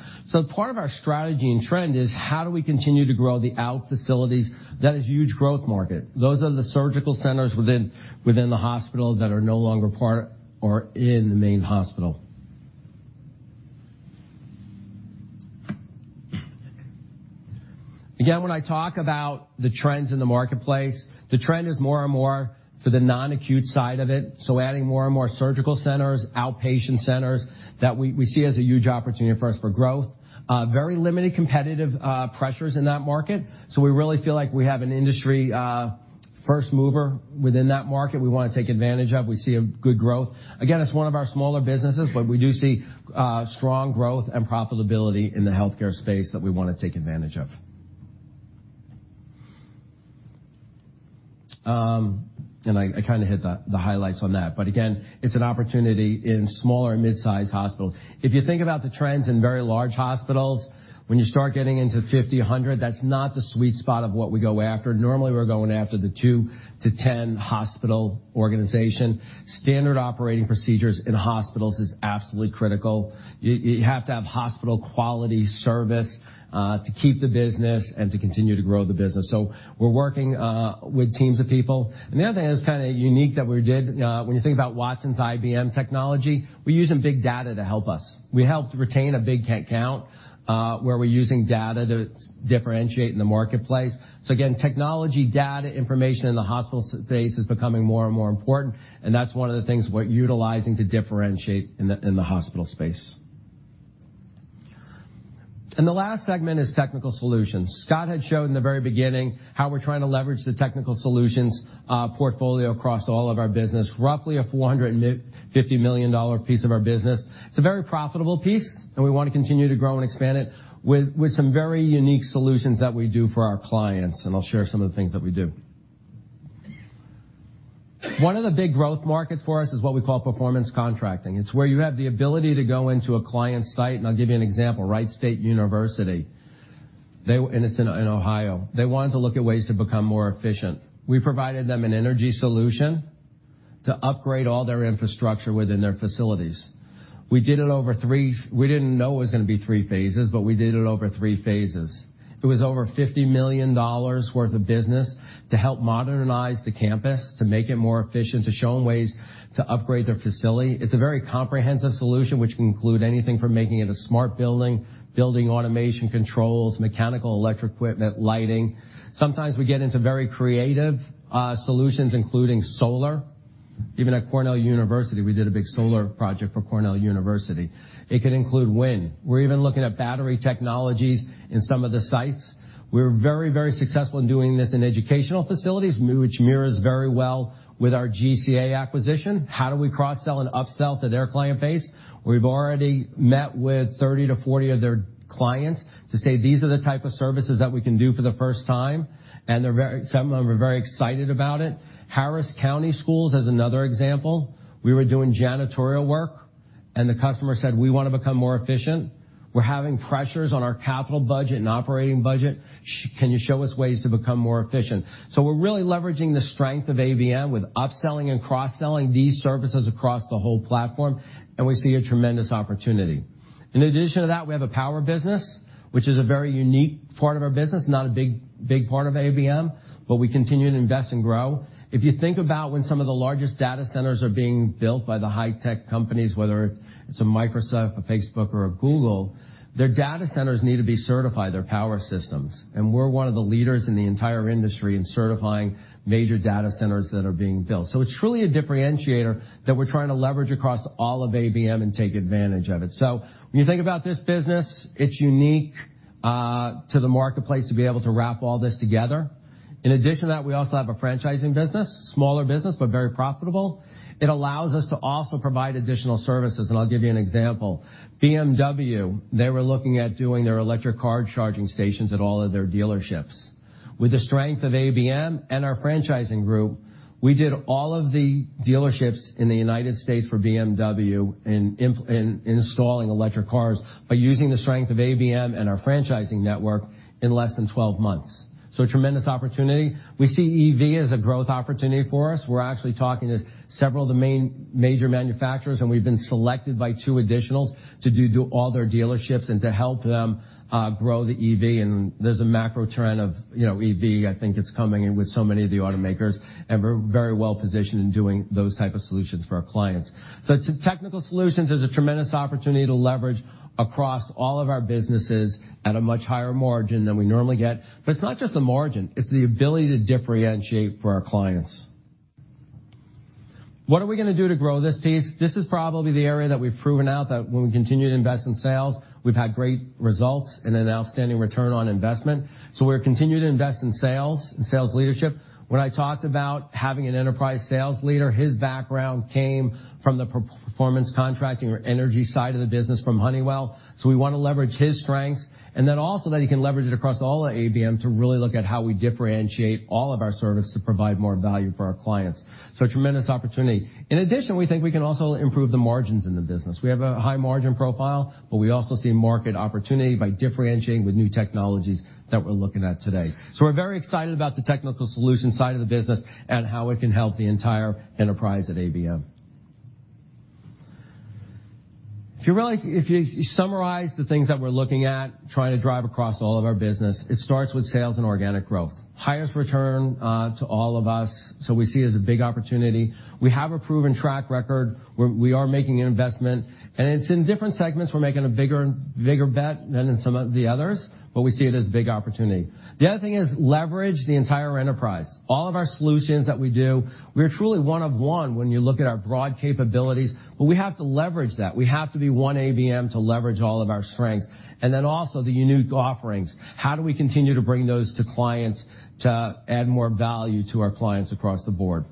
Speaker 3: Part of our strategy and trend is how do we continue to grow the out facilities? That is a huge growth market. Those are the surgical centers within the hospital that are no longer part or in the main hospital. Again, when I talk about the trends in the marketplace, the trend is more and more to the non-acute side of it. Adding more and more surgical centers, outpatient centers, that we see as a huge opportunity for us for growth. Very limited competitive pressures in that market, we really feel like we have an industry first mover within that market we want to take advantage of. We see a good growth. It's one of our smaller businesses, we do see strong growth and profitability in the healthcare space that we want to take advantage of. I kind of hit the highlights on that. It's an opportunity in smaller mid-size hospitals. If you think about the trends in very large hospitals, when you start getting into 50, 100, that's not the sweet spot of what we go after. Normally, we're going after the 2 to 10 hospital organization. Standard operating procedures in hospitals is absolutely critical. You have to have hospital-quality service to keep the business and to continue to grow the business. We're working with teams of people. The other thing that's kind of unique that we did, when you think about Watson's IBM technology, we're using big data to help us. We helped retain a big count, where we're using data to differentiate in the marketplace. Technology, data, information in the hospital space is becoming more and more important, that's one of the things we're utilizing to differentiate in the hospital space. The last segment is technical solutions. Scott had shown in the very beginning how we're trying to leverage the technical solutions portfolio across all of our business, roughly a $450 million piece of our business. It's a very profitable piece, we want to continue to grow and expand it with some very unique solutions that we do for our clients, I'll share some of the things that we do. One of the big growth markets for us is what we call performance contracting. It's where you have the ability to go into a client site, I'll give you an example. Wright State University, it's in Ohio. They wanted to look at ways to become more efficient. We provided them an energy solution to upgrade all their infrastructure within their facilities. We didn't know it was going to be three phases, we did it over three phases. It was over $50 million worth of business to help modernize the campus, to make it more efficient, to show them ways to upgrade their facility. It's a very comprehensive solution, which can include anything from making it a smart building automation controls, mechanical electric equipment, lighting. Sometimes we get into very creative solutions, including solar. Even at Cornell University, we did a big solar project for Cornell University. It can include wind. We're even looking at battery technologies in some of the sites. We're very successful in doing this in educational facilities, which mirrors very well with our GCA acquisition. How do we cross-sell and up-sell to their client base? We've already met with 30-40 of their clients to say, "These are the type of services that we can do for the first time." Some of them are very excited about it. Harris County Schools is another example. We were doing janitorial work, and the customer said, "We want to become more efficient. We're having pressures on our capital budget and operating budget. Can you show us ways to become more efficient?" We're really leveraging the strength of ABM with upselling and cross-selling these services across the whole platform, and we see a tremendous opportunity. In addition to that, we have a power business, which is a very unique part of our business, not a big part of ABM, but we continue to invest and grow. If you think about when some of the largest data centers are being built by the high-tech companies, whether it's a Microsoft, a Facebook, or a Google, their data centers need to be certified, their power systems. We're one of the leaders in the entire industry in certifying major data centers that are being built. It's truly a differentiator that we're trying to leverage across all of ABM and take advantage of it. When you think about this business, it's unique to the marketplace to be able to wrap all this together. In addition to that, we also have a franchising business, smaller business, but very profitable. It allows us to also provide additional services, and I'll give you an example. BMW, they were looking at doing their electric car charging stations at all of their dealerships. With the strength of ABM and our franchising group, we did all of the dealerships in the United States for BMW in installing electric cars by using the strength of ABM and our franchising network in less than 12 months. A tremendous opportunity. We see EV as a growth opportunity for us. We're actually talking to several of the major manufacturers, and we've been selected by two additional to do all their dealerships and to help them grow the EV. There's a macro trend of EV. I think it's coming in with so many of the automakers, and we're very well-positioned in doing those type of solutions for our clients. Technical solutions is a tremendous opportunity to leverage across all of our businesses at a much higher margin than we normally get. It's not just the margin, it's the ability to differentiate for our clients. What are we going to do to grow this piece? This is probably the area that we've proven out that when we continue to invest in sales, we've had great results and an outstanding return on investment. We'll continue to invest in sales and sales leadership. When I talked about having an enterprise sales leader, his background came from the performance contracting or energy side of the business from Honeywell. We want to leverage his strengths, also that he can leverage it across all of ABM to really look at how we differentiate all of our service to provide more value for our clients. A tremendous opportunity. In addition, we think we can also improve the margins in the business. We have a high margin profile, but we also see market opportunity by differentiating with new technologies that we're looking at today. We're very excited about the technical solutions side of the business and how it can help the entire enterprise at ABM. If you summarize the things that we're looking at trying to drive across all of our business, it starts with sales and organic growth. Highest return to all of us, we see it as a big opportunity. We have a proven track record where we are making an investment, it's in different segments. We're making a bigger bet than in some of the others, we see it as a big opportunity. The other thing is leverage the entire enterprise. All of our solutions that we do, we are truly one of one when you look at our broad capabilities, but we have to leverage that. We have to be one ABM to leverage all of our strengths. Also the unique offerings. How do we continue to bring those to clients to add more value to our clients across the board?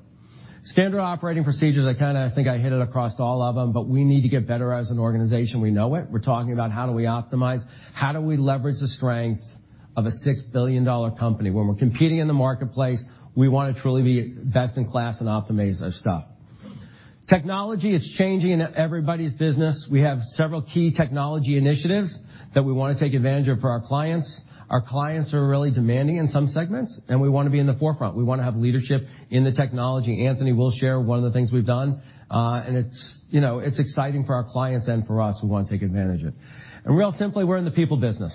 Speaker 3: Standard operating procedures, I think I hit it across all of them, but we need to get better as an organization. We know it. We're talking about how do we optimize, how do we leverage the strength of a $6 billion company? When we're competing in the marketplace, we want to truly be best in class and optimize our stuff. Technology is changing everybody's business. We have several key technology initiatives that we want to take advantage of for our clients. Our clients are really demanding in some segments, and we want to be in the forefront. We want to have leadership in the technology. Anthony will share one of the things we've done. It's exciting for our clients and for us who want to take advantage of it. Real simply, we're in the people business.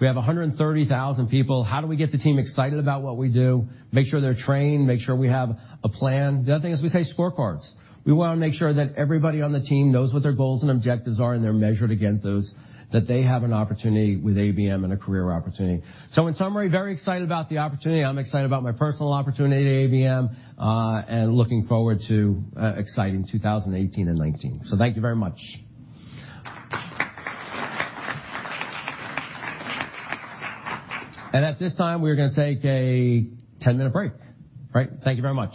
Speaker 3: We have 130,000 people. How do we get the team excited about what we do, make sure they're trained, make sure we have a plan? The other thing is we say scorecards. We want to make sure that everybody on the team knows what their goals and objectives are, and they're measured against those, that they have an opportunity with ABM and a career opportunity. In summary, very excited about the opportunity. I'm excited about my personal opportunity at ABM, looking forward to an exciting 2018 and 2019. Thank you very much. At this time, we're going to take a 10-minute break. Great. Thank you very much.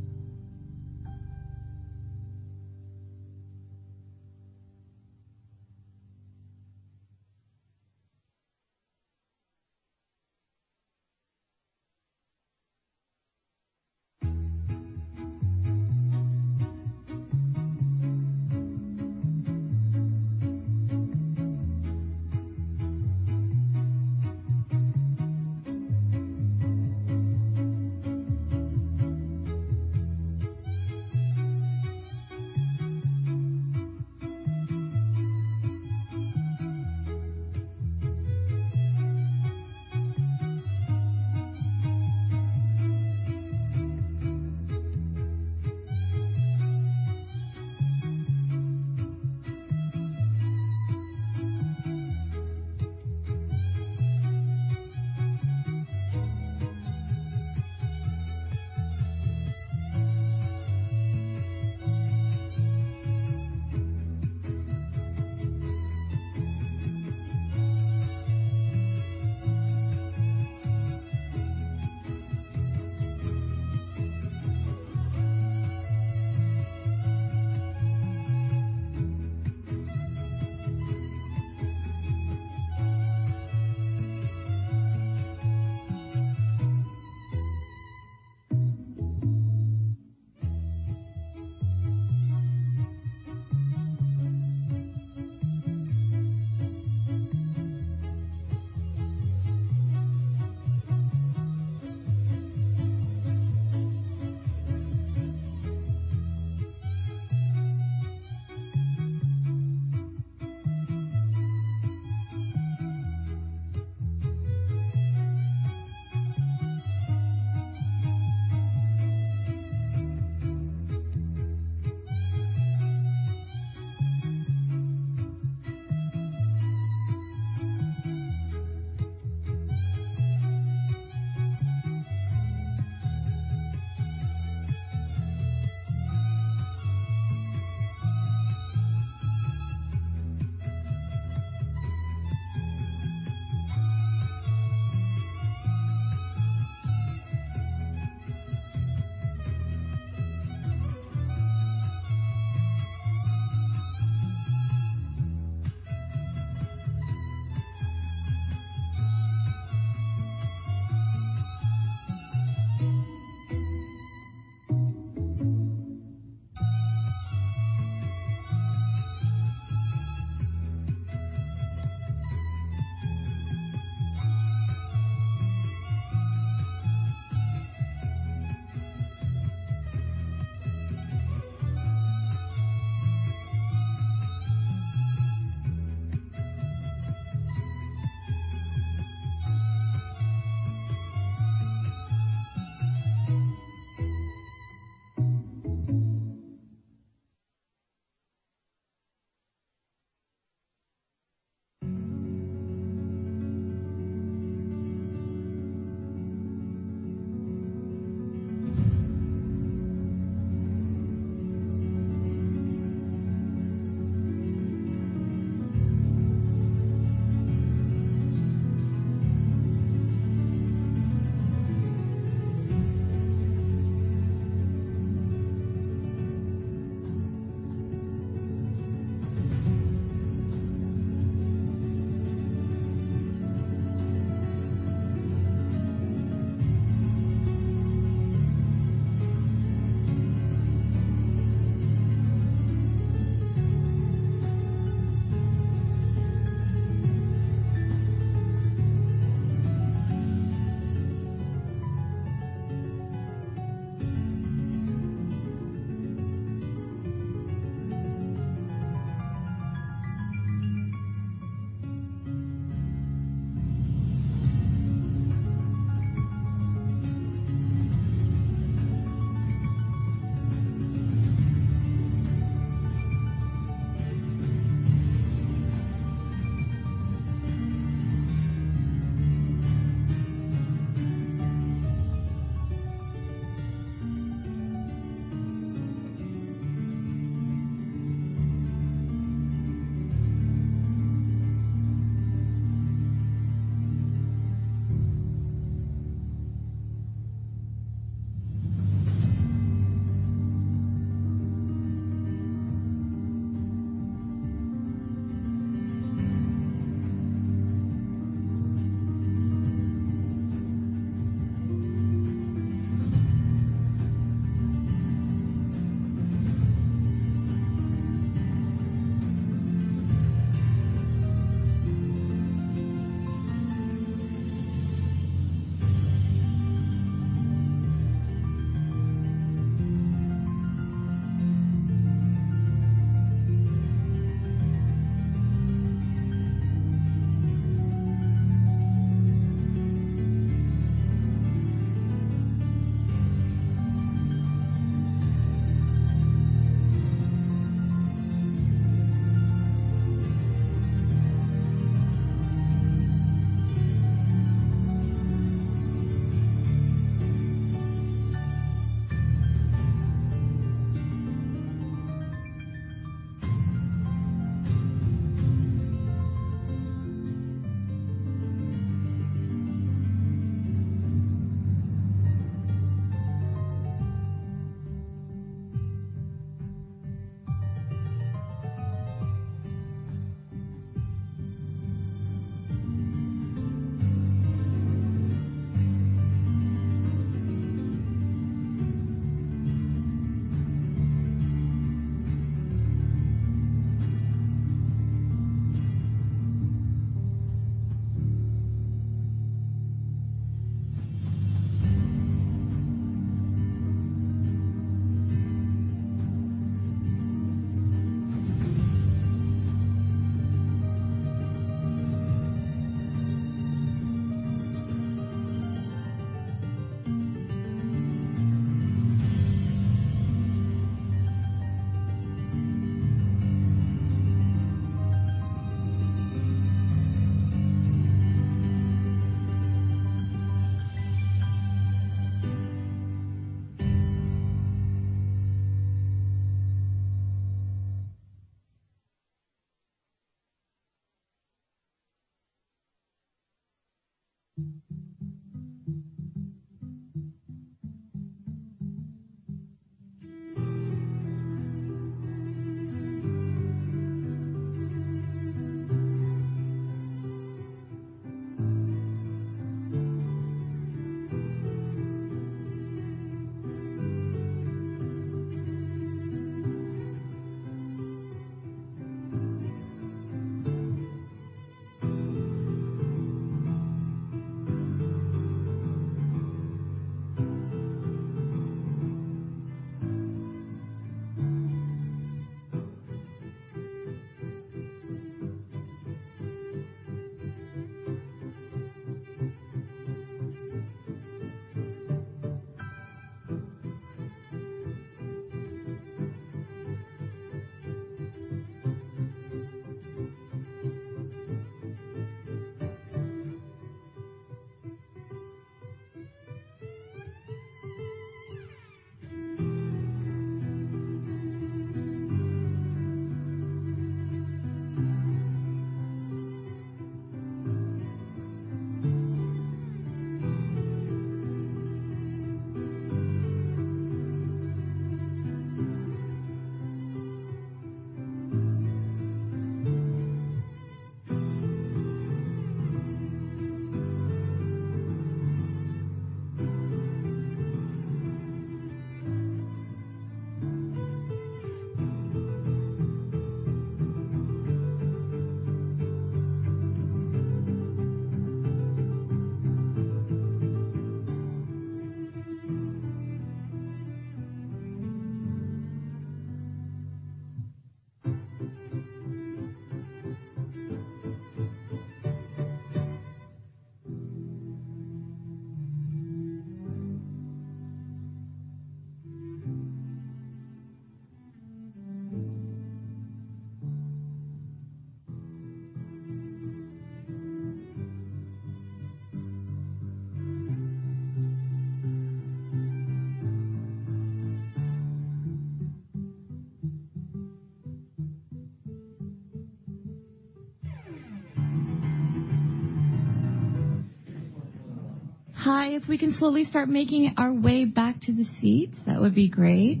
Speaker 1: Hi. If we can slowly start making our way back to the seats, that would be great.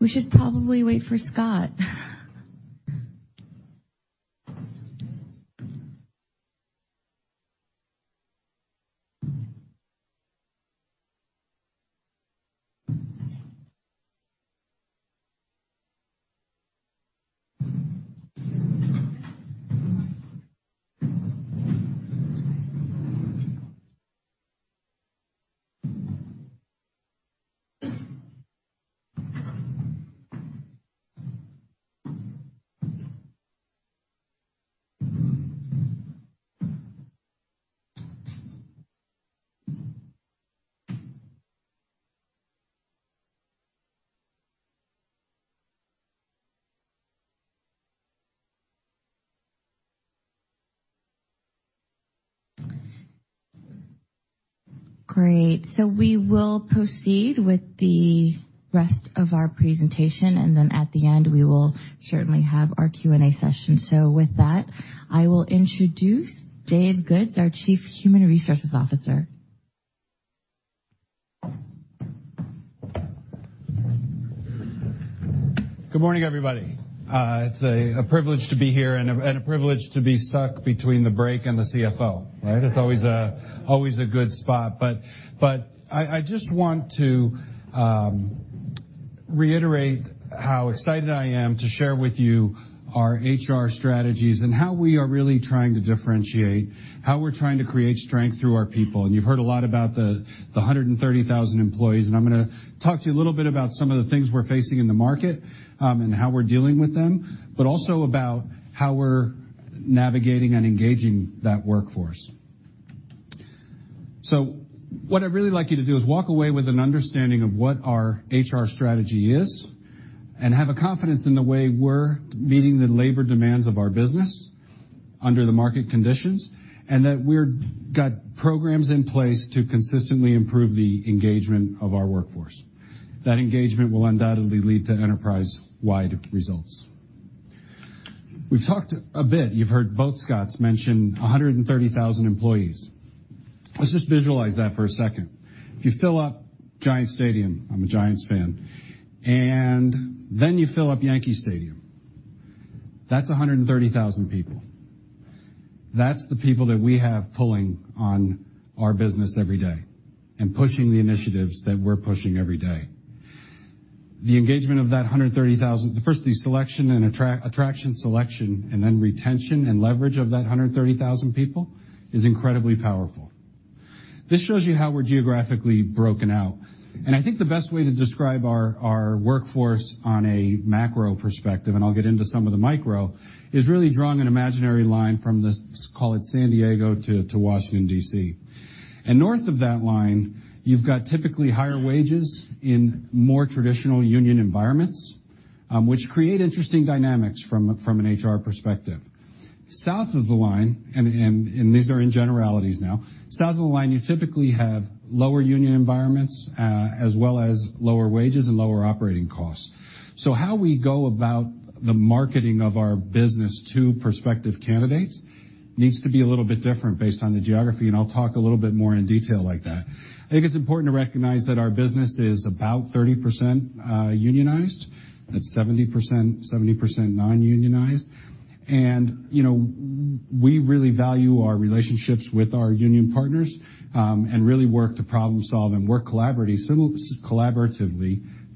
Speaker 1: We should probably wait for Scott. Great. We will proceed with the rest of our presentation, at the end, we will certainly have our Q&A session. With that, I will introduce Dave Goodes, our Chief Human Resources Officer.
Speaker 4: Good morning, everybody. It's a privilege to be here and a privilege to be stuck between the break and the CFO, right? It's always a good spot. I just want to reiterate how excited I am to share with you our HR strategies and how we are really trying to differentiate, how we're trying to create strength through our people. You've heard a lot about the 130,000 employees, I'm going to talk to you a little bit about some of the things we're facing in the market, and how we're dealing with them, but also about how we're navigating and engaging that workforce. What I'd really like you to do is walk away with an understanding of what our HR strategy is and have a confidence in the way we're meeting the labor demands of our business under the market conditions, and that we're got programs in place to consistently improve the engagement of our workforce. That engagement will undoubtedly lead to enterprise-wide results. We've talked a bit, you've heard both Scotts mention 130,000 employees. Let's just visualize that for a second. If you fill up Giants Stadium, I'm a Giants fan, you fill up Yankee Stadium. That's 130,000 people. That's the people that we have pulling on our business every day and pushing the initiatives that we're pushing every day. The engagement of that 130,000 First, the attraction, selection, retention and leverage of that 130,000 people is incredibly powerful. This shows you how we're geographically broken out. I think the best way to describe our workforce on a macro perspective, and I'll get into some of the micro, is really drawing an imaginary line from this, call it San Diego to Washington, D.C. North of that line, you've got typically higher wages in more traditional union environments. Which create interesting dynamics from an HR perspective. South of the line, and these are in generalities now, south of the line, you typically have lower union environments, as well as lower wages and lower operating costs. How we go about the marketing of our business to prospective candidates needs to be a little bit different based on the geography, and I'll talk a little bit more in detail like that. I think it's important to recognize that our business is about 30% unionized, that's 70% non-unionized. We really value our relationships with our union partners, and really work to problem solve and work collaboratively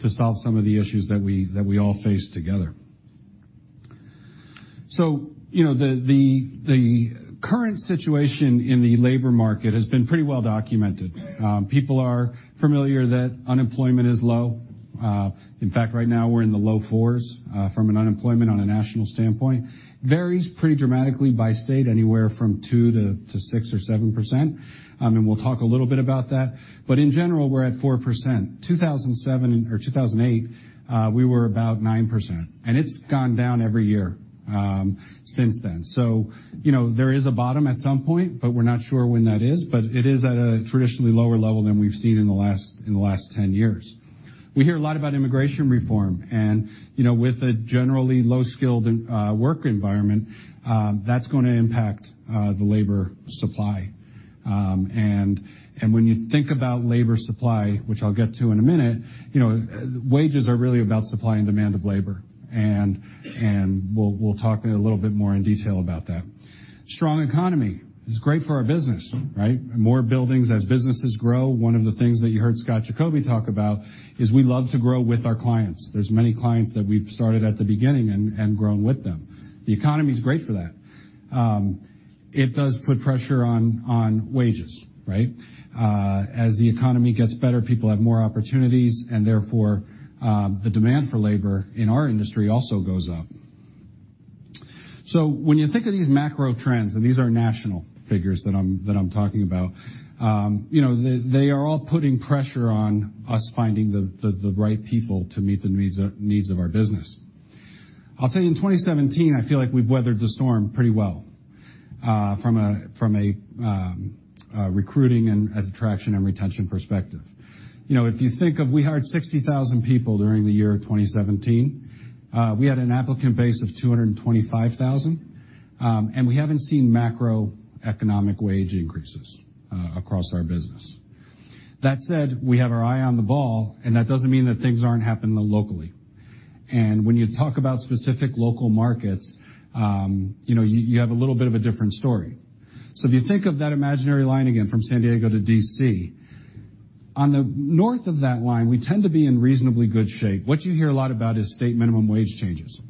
Speaker 4: to solve some of the issues that we all face together. The current situation in the labor market has been pretty well documented. People are familiar that unemployment is low. In fact, right now, we're in the low fours from an unemployment on a national standpoint. Varies pretty dramatically by state, anywhere from 2%-6% or 7%, and we'll talk a little bit about that. In general, we're at 4%. 2007 or 2008, we were about 9%, and it's gone down every year since then. There is a bottom at some point, but we're not sure when that is, but it is at a traditionally lower level than we've seen in the last 10 years. We hear a lot about immigration reform, with a generally low-skilled work environment, that's going to impact the labor supply. When you think about labor supply, which I'll get to in a minute, wages are really about supply and demand of labor, and we'll talk a little bit more in detail about that. Strong economy is great for our business, right? More buildings as businesses grow. One of the things that you heard Scott Giacobbe talk about is we love to grow with our clients. There's many clients that we've started at the beginning and grown with them. The economy's great for that. It does put pressure on wages, right? As the economy gets better, people have more opportunities, and therefore, the demand for labor in our industry also goes up. When you think of these macro trends, and these are national figures that I'm talking about they are all putting pressure on us finding the right people to meet the needs of our business. I'll tell you, in 2017, I feel like we've weathered the storm pretty well from a recruiting and attraction and retention perspective. If you think of, we hired 60,000 people during the year of 2017. We had an applicant base of 225,000, and we haven't seen macroeconomic wage increases across our business. That said, we have our eye on the ball, and that doesn't mean that things aren't happening locally. When you talk about specific local markets, you have a little bit of a different story. If you think of that imaginary line again from San Diego to D.C., on the north of that line, we tend to be in reasonably good shape. What you hear a lot about is state minimum wage changes.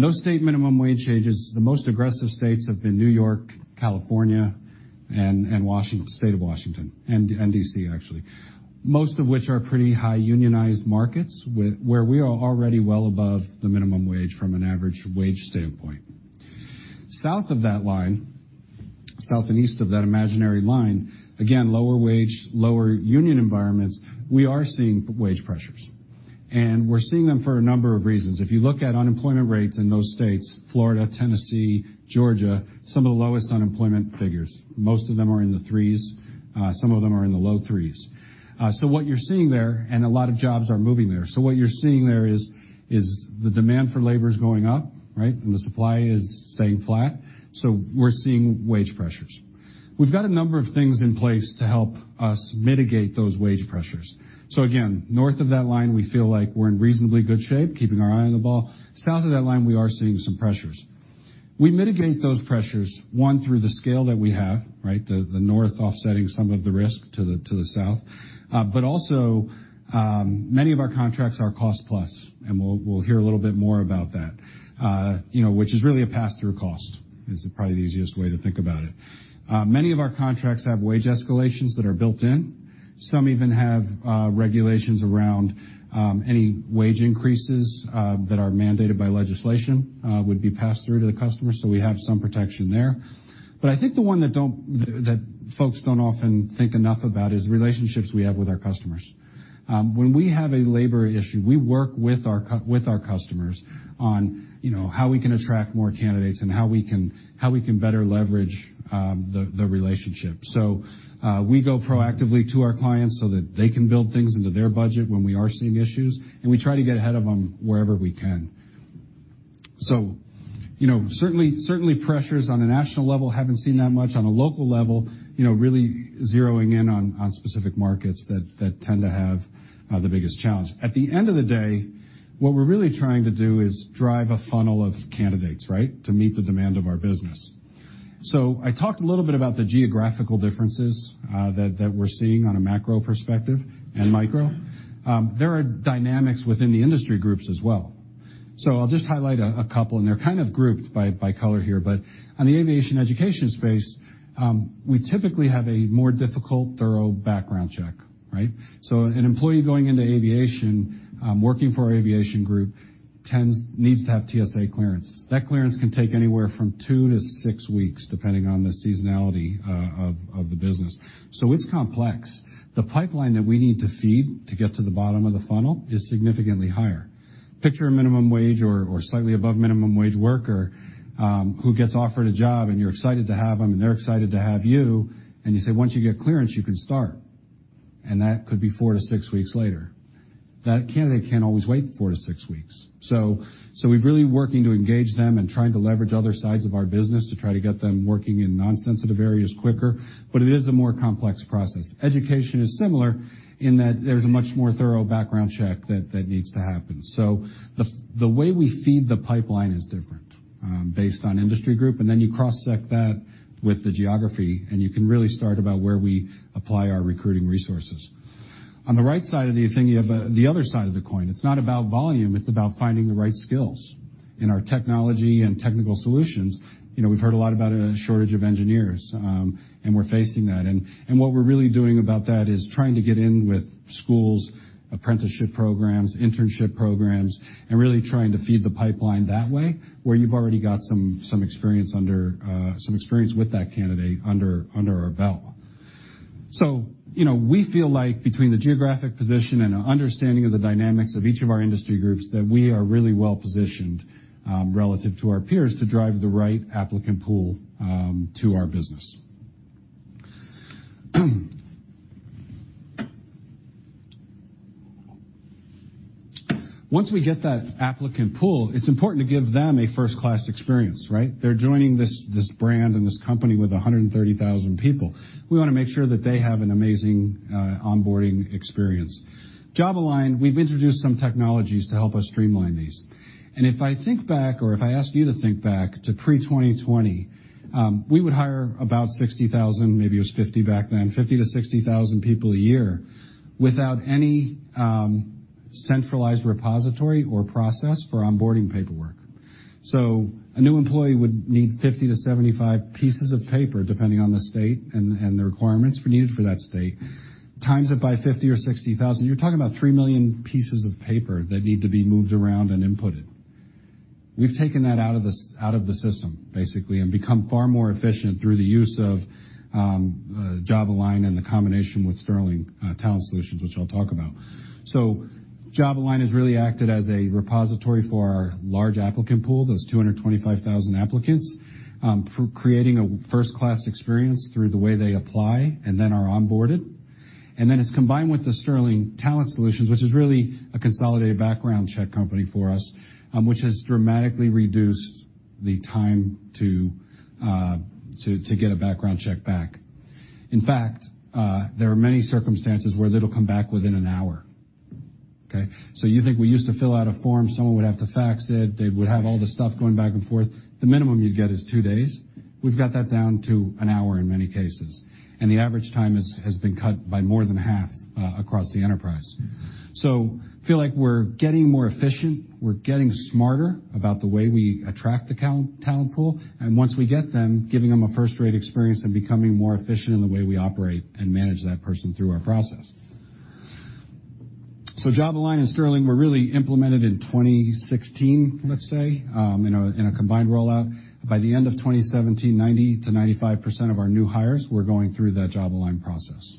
Speaker 4: Those state minimum wage changes, the most aggressive states have been New York, California, and State of Washington, and D.C., actually. Most of which are pretty high unionized markets where we are already well above the minimum wage from an average wage standpoint. South of that line, south and east of that imaginary line, again, lower wage, lower union environments, we are seeing wage pressures. We're seeing them for a number of reasons. If you look at unemployment rates in those states, Florida, Tennessee, Georgia, some of the lowest unemployment figures. Most of them are in the threes, some of them are in the low threes. What you're seeing there, and a lot of jobs are moving there. What you're seeing there is the demand for labor is going up, right? The supply is staying flat, we're seeing wage pressures. We've got a number of things in place to help us mitigate those wage pressures. Again, north of that line, we feel like we're in reasonably good shape, keeping our eye on the ball. South of that line, we are seeing some pressures. We mitigate those pressures, one, through the scale that we have, right? The north offsetting some of the risk to the south. Also, many of our contracts are cost-plus, and we'll hear a little bit more about that, which is really a pass-through cost, is probably the easiest way to think about it. Many of our contracts have wage escalations that are built in. Some even have regulations around any wage increases that are mandated by legislation would be passed through to the customer, so we have some protection there. I think the one that folks don't often think enough about is relationships we have with our customers. When we have a labor issue, we work with our customers on how we can attract more candidates and how we can better leverage the relationship. We go proactively to our clients so that they can build things into their budget when we are seeing issues, and we try to get ahead of them wherever we can. Certainly pressures on a national level, haven't seen that much on a local level, really zeroing in on specific markets that tend to have the biggest challenge. At the end of the day, what we're really trying to do is drive a funnel of candidates, right? To meet the demand of our business. I talked a little bit about the geographical differences that we're seeing on a macro perspective and micro. There are dynamics within the industry groups as well. I'll just highlight a couple, and they're kind of grouped by color here, on the aviation education space, we typically have a more difficult, thorough background check. Right? An employee going into aviation, working for our aviation group needs to have TSA clearance. That clearance can take anywhere from 2 to 6 weeks, depending on the seasonality of the business. It's complex. The pipeline that we need to feed to get to the bottom of the funnel is significantly higher. Picture a minimum wage or slightly above minimum wage worker, who gets offered a job and you're excited to have them, and they're excited to have you, and you say, "Once you get clearance, you can start." That could be 4 to 6 weeks later. That candidate can't always wait 4 to 6 weeks. We're really working to engage them and trying to leverage other sides of our business to try to get them working in non-sensitive areas quicker. It is a more complex process. Education is similar in that there's a much more thorough background check that needs to happen. The way we feed the pipeline is different based on industry group, and then you cross-check that with the geography, and you can really start about where we apply our recruiting resources. On the right side of the thing, you have the other side of the coin. It's not about volume, it's about finding the right skills. In our technology and technical solutions, we've heard a lot about a shortage of engineers, and we're facing that. What we're really doing about that is trying to get in with schools, apprenticeship programs, internship programs, and really trying to feed the pipeline that way, where you've already got some experience with that candidate under our belt. We feel like between the geographic position and an understanding of the dynamics of each of our industry groups, that we are really well positioned relative to our peers to drive the right applicant pool to our business. Once we get that applicant pool, it's important to give them a first-class experience, right? They're joining this brand and this company with 130,000 people. We want to make sure that they have an amazing onboarding experience. JobAlign, we've introduced some technologies to help us streamline these. If I think back, or if I ask you to think back to pre-2020, we would hire about 60,000, maybe it was 50 back then, 50 to 60,000 people a year without any centralized repository or process for onboarding paperwork. A new employee would need 50 to 75 pieces of paper, depending on the state and the requirements needed for that state. Times it by 50 or 60,000, you're talking about 3 million pieces of paper that need to be moved around and inputted. We've taken that out of the system, basically, and become far more efficient through the use of JobAlign and the combination with Sterling Talent Solutions, which I'll talk about. JobAlign has really acted as a repository for our large applicant pool. Those 225,000 applicants, creating a first-class experience through the way they apply and then are onboarded. Then it's combined with the Sterling Talent Solutions, which is really a consolidated background check company for us, which has dramatically reduced the time to get a background check back. In fact, there are many circumstances where that'll come back within an hour. Okay? You think we used to fill out a form, someone would have to fax it, they would have all the stuff going back and forth. The minimum you'd get is two days. We've got that down to an hour in many cases. The average time has been cut by more than half across the enterprise. Feel like we're getting more efficient. We're getting smarter about the way we attract the talent pool, and once we get them, giving them a first-rate experience and becoming more efficient in the way we operate and manage that person through our process. JobAlign and Sterling were really implemented in 2016, let's say, in a combined rollout. By the end of 2017, 90%-95% of our new hires were going through that JobAlign process.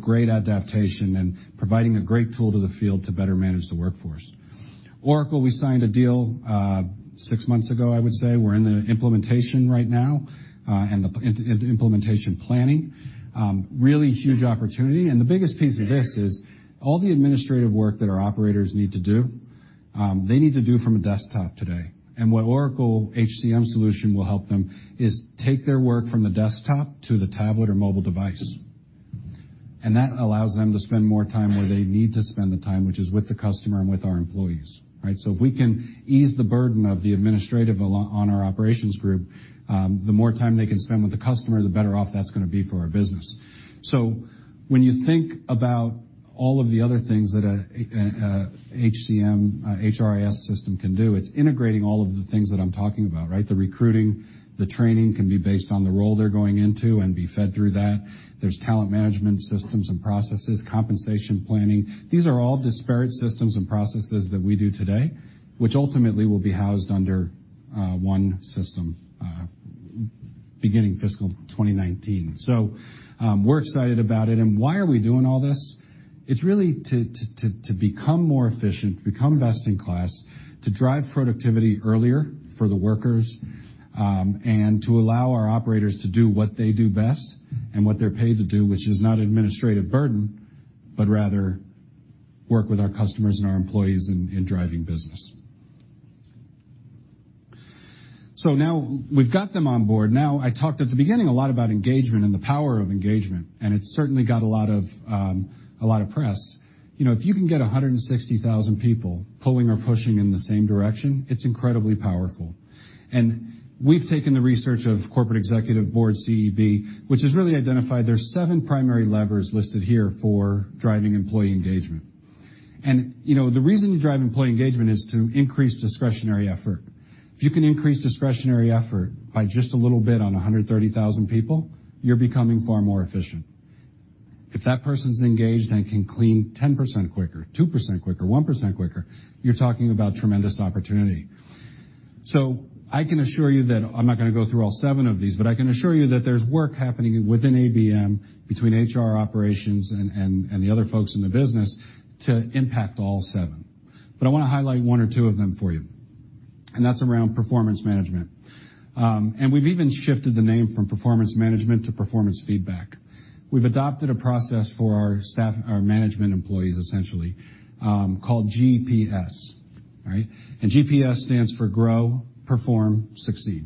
Speaker 4: Great adaptation and providing a great tool to the field to better manage the workforce. Oracle, we signed a deal six months ago, I would say. We're in the implementation right now, and the implementation planning. Really huge opportunity, and the biggest piece of this is all the administrative work that our operators need to do, they need to do from a desktop today. What Oracle HCM solution will help them is take their work from the desktop to the tablet or mobile device. That allows them to spend more time where they need to spend the time, which is with the customer and with our employees. Right? If we can ease the burden of the administrative on our operations group, the more time they can spend with the customer, the better off that's going to be for our business. When you think about all of the other things that a HCM, HRIS system can do, it's integrating all of the things that I'm talking about, right? The recruiting, the training can be based on the role they're going into and be fed through that. There's talent management systems and processes, compensation planning. These are all disparate systems and processes that we do today, which ultimately will be housed under one system beginning fiscal 2019. We're excited about it. Why are we doing all this? It's really to become more efficient, become best in class, to drive productivity earlier for the workers, and to allow our operators to do what they do best and what they're paid to do, which is not administrative burden, but rather work with our customers and our employees in driving business. Now we've got them on board. Now, I talked at the beginning a lot about engagement and the power of engagement, and it certainly got a lot of press. If you can get 160,000 people pulling or pushing in the same direction, it's incredibly powerful. We've taken the research of Corporate Executive Board, CEB, which has really identified there's seven primary levers listed here for driving employee engagement. The reason you drive employee engagement is to increase discretionary effort. If you can increase discretionary effort by just a little bit on 130,000 people, you're becoming far more efficient. If that person's engaged and can clean 10% quicker, 2% quicker, 1% quicker, you're talking about tremendous opportunity. I can assure you that I'm not going to go through all seven of these, but I can assure you that there's work happening within ABM, between HR operations and the other folks in the business to impact all seven. I want to highlight one or two of them for you. That's around performance management. We've even shifted the name from performance management to performance feedback. We've adopted a process for our management employees, essentially, called GPS. GPS stands for Grow, Perform, Succeed.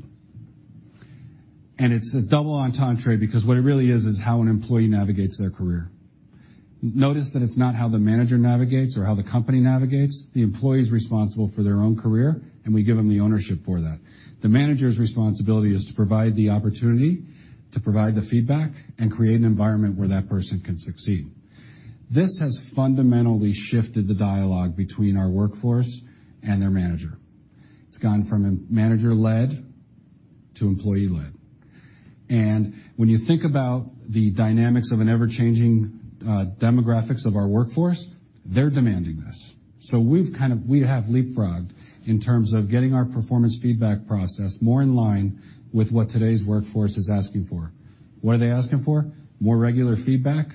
Speaker 4: It's a double entendre because what it really is how an employee navigates their career. Notice that it's not how the manager navigates or how the company navigates. The employee's responsible for their own career, and we give them the ownership for that. The manager's responsibility is to provide the opportunity, to provide the feedback, and create an environment where that person can succeed. This has fundamentally shifted the dialogue between our workforce and their manager. It's gone from manager-led to employee-led. When you think about the dynamics of an ever-changing demographics of our workforce, they're demanding this. We have leapfrogged in terms of getting our performance feedback process more in line with what today's workforce is asking for. What are they asking for? More regular feedback.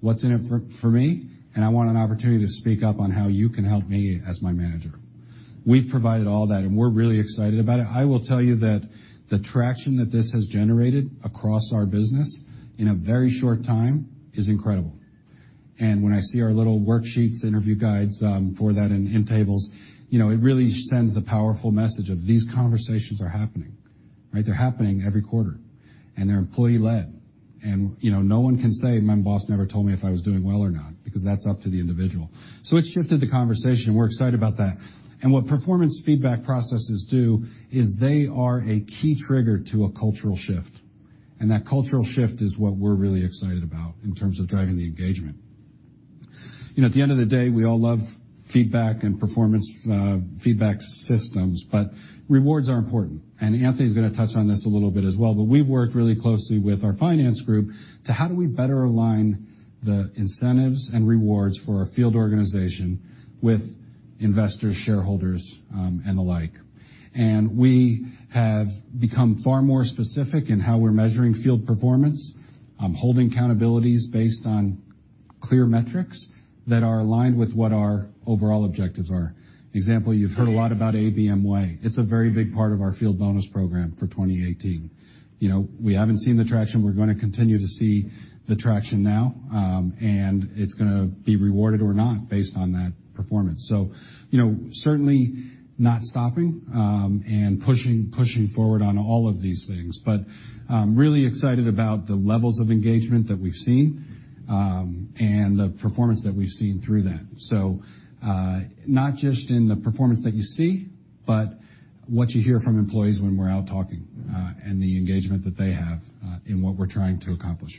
Speaker 4: What's in it for me? I want an opportunity to speak up on how you can help me as my manager. We've provided all that, and we're really excited about it. I will tell you that the traction that this has generated across our business in a very short time is incredible. When I see our little worksheets, interview guides for that in tables, it really sends the powerful message of these conversations are happening. They're happening every quarter, and they're employee led. No one can say, "My boss never told me if I was doing well or not," because that's up to the individual. It's shifted the conversation, and we're excited about that. What performance feedback processes do is they are a key trigger to a cultural shift. That cultural shift is what we're really excited about in terms of driving the engagement. At the end of the day, we all love feedback and performance feedback systems, but rewards are important. Anthony's going to touch on this a little bit as well, but we've worked really closely with our finance group to how do we better align the incentives and rewards for our field organization with investors, shareholders, and the like. We have become far more specific in how we're measuring field performance, holding accountabilities based on clear metrics that are aligned with what our overall objectives are. An example, you've heard a lot about ABM Way. It's a very big part of our field bonus program for 2018. We haven't seen the traction. We're going to continue to see the traction now, and it's going to be rewarded or not based on that performance. Certainly not stopping, and pushing forward on all of these things. Really excited about the levels of engagement that we've seen, and the performance that we've seen through that. Not just in the performance that you see, but what you hear from employees when we're out talking, and the engagement that they have in what we're trying to accomplish.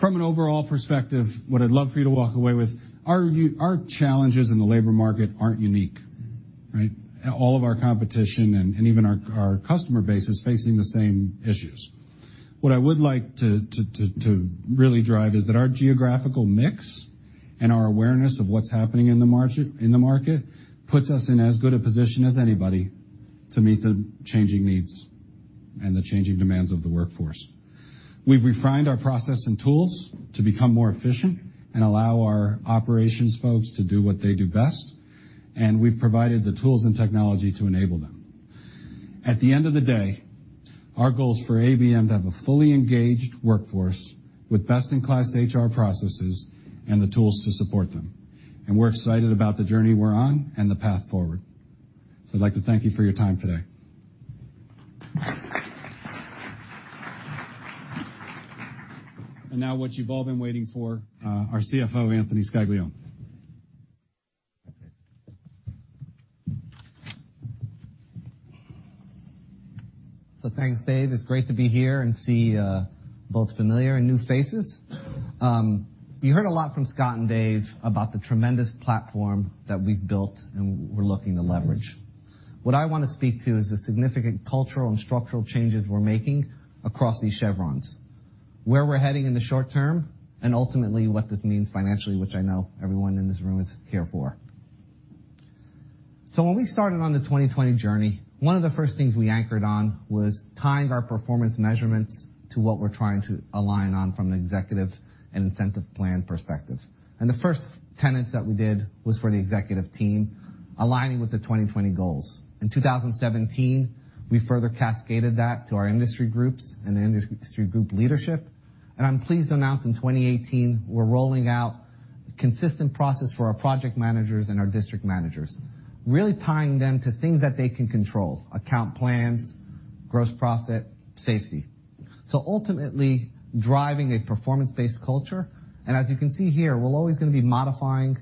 Speaker 4: From an overall perspective, what I'd love for you to walk away with, our challenges in the labor market aren't unique. All of our competition and even our customer base is facing the same issues. What I would like to really drive is that our geographical mix and our awareness of what's happening in the market puts us in as good a position as anybody to meet the changing needs and the changing demands of the workforce. We've refined our process and tools to become more efficient and allow our operations folks to do what they do best, and we've provided the tools and technology to enable them. At the end of the day, our goal is for ABM to have a fully engaged workforce with best-in-class HR processes and the tools to support them. We're excited about the journey we're on and the path forward. I'd like to thank you for your time today. Now what you've all been waiting for, our CFO, Anthony Scaglione.
Speaker 5: Thanks, Dave. It's great to be here and see both familiar and new faces. You heard a lot from Scott and Dave about the tremendous platform that we've built and we're looking to leverage. What I want to speak to is the significant cultural and structural changes we're making across these chevrons, where we're heading in the short term, and ultimately what this means financially, which I know everyone in this room is here for. When we started on the 2020 Vision journey, one of the first things we anchored on was tying our performance measurements to what we're trying to align on from an executive and incentive plan perspective. The first tenets that we did was for the executive team, aligning with the 2020 goals. In 2017, we further cascaded that to our industry groups and the industry group leadership. I'm pleased to announce in 2018, we're rolling out a consistent process for our project managers and our district managers, really tying them to things that they can control, account plans, gross profit, safety. Ultimately driving a performance-based culture. As you can see here, we're always going to be modifying,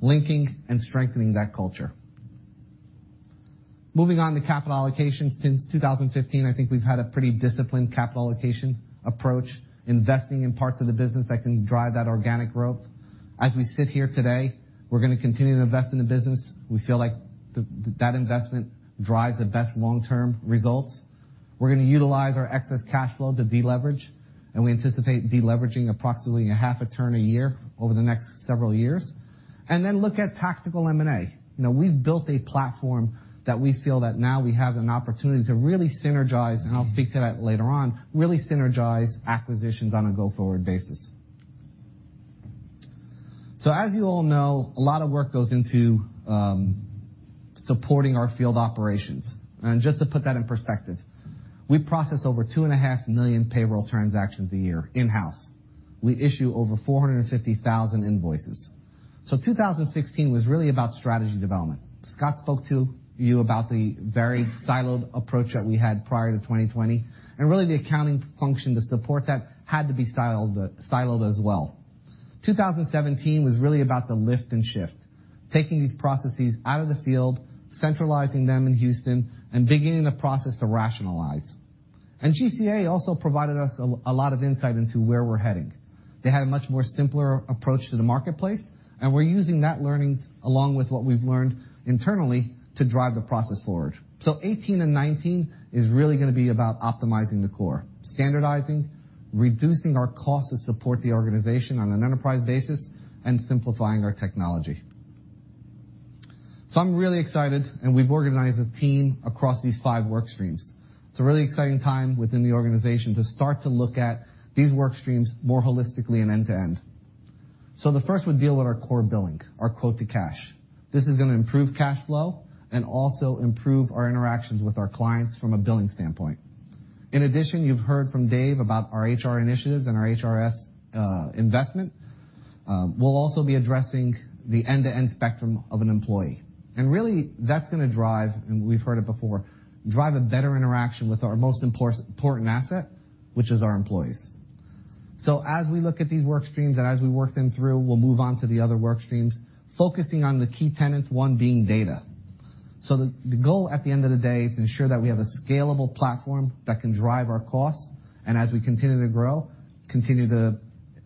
Speaker 5: linking, and strengthening that culture. Moving on to capital allocation. Since 2015, I think we've had a pretty disciplined capital allocation approach, investing in parts of the business that can drive that organic growth. As we sit here today, we're going to continue to invest in the business. We feel like that investment drives the best long-term results. We're going to utilize our excess cash flow to deleverage, and we anticipate deleveraging approximately a half a turn a year over the next several years. Then look at tactical M&A. We've built a platform that we feel that now we have an opportunity to really synergize, and I'll speak to that later on, really synergize acquisitions on a go-forward basis. As you all know, a lot of work goes into supporting our field operations. Just to put that in perspective, we process over $2.5 million payroll transactions a year in-house. We issue over 450,000 invoices. 2016 was really about strategy development. Scott spoke to you about the very siloed approach that we had prior to 2020, and really the accounting function to support that had to be siloed as well. 2017 was really about the lift and shift, taking these processes out of the field, centralizing them in Houston, and beginning the process to rationalize. GCA also provided us a lot of insight into where we're heading. They had a much simpler approach to the marketplace. We're using that learning along with what we've learned internally to drive the process forward. '18 and '19 is really going to be about optimizing the core, standardizing, reducing our cost to support the organization on an enterprise basis, and simplifying our technology. I'm really excited. We've organized a team across these five work streams. It's a really exciting time within the organization to start to look at these work streams more holistically and end to end. The first would deal with our core billing, our quote-to-cash. This is going to improve cash flow and also improve our interactions with our clients from a billing standpoint. In addition, you've heard from Dave about our HR initiatives and our HRS investment. We'll also be addressing the end-to-end spectrum of an employee. Really that's going to drive, and we've heard it before, drive a better interaction with our most important asset, which is our employees. As we look at these work streams and as we work them through, we'll move on to the other work streams, focusing on the key tenets, one being data. The goal at the end of the day is to ensure that we have a scalable platform that can drive our costs, and as we continue to grow, continue to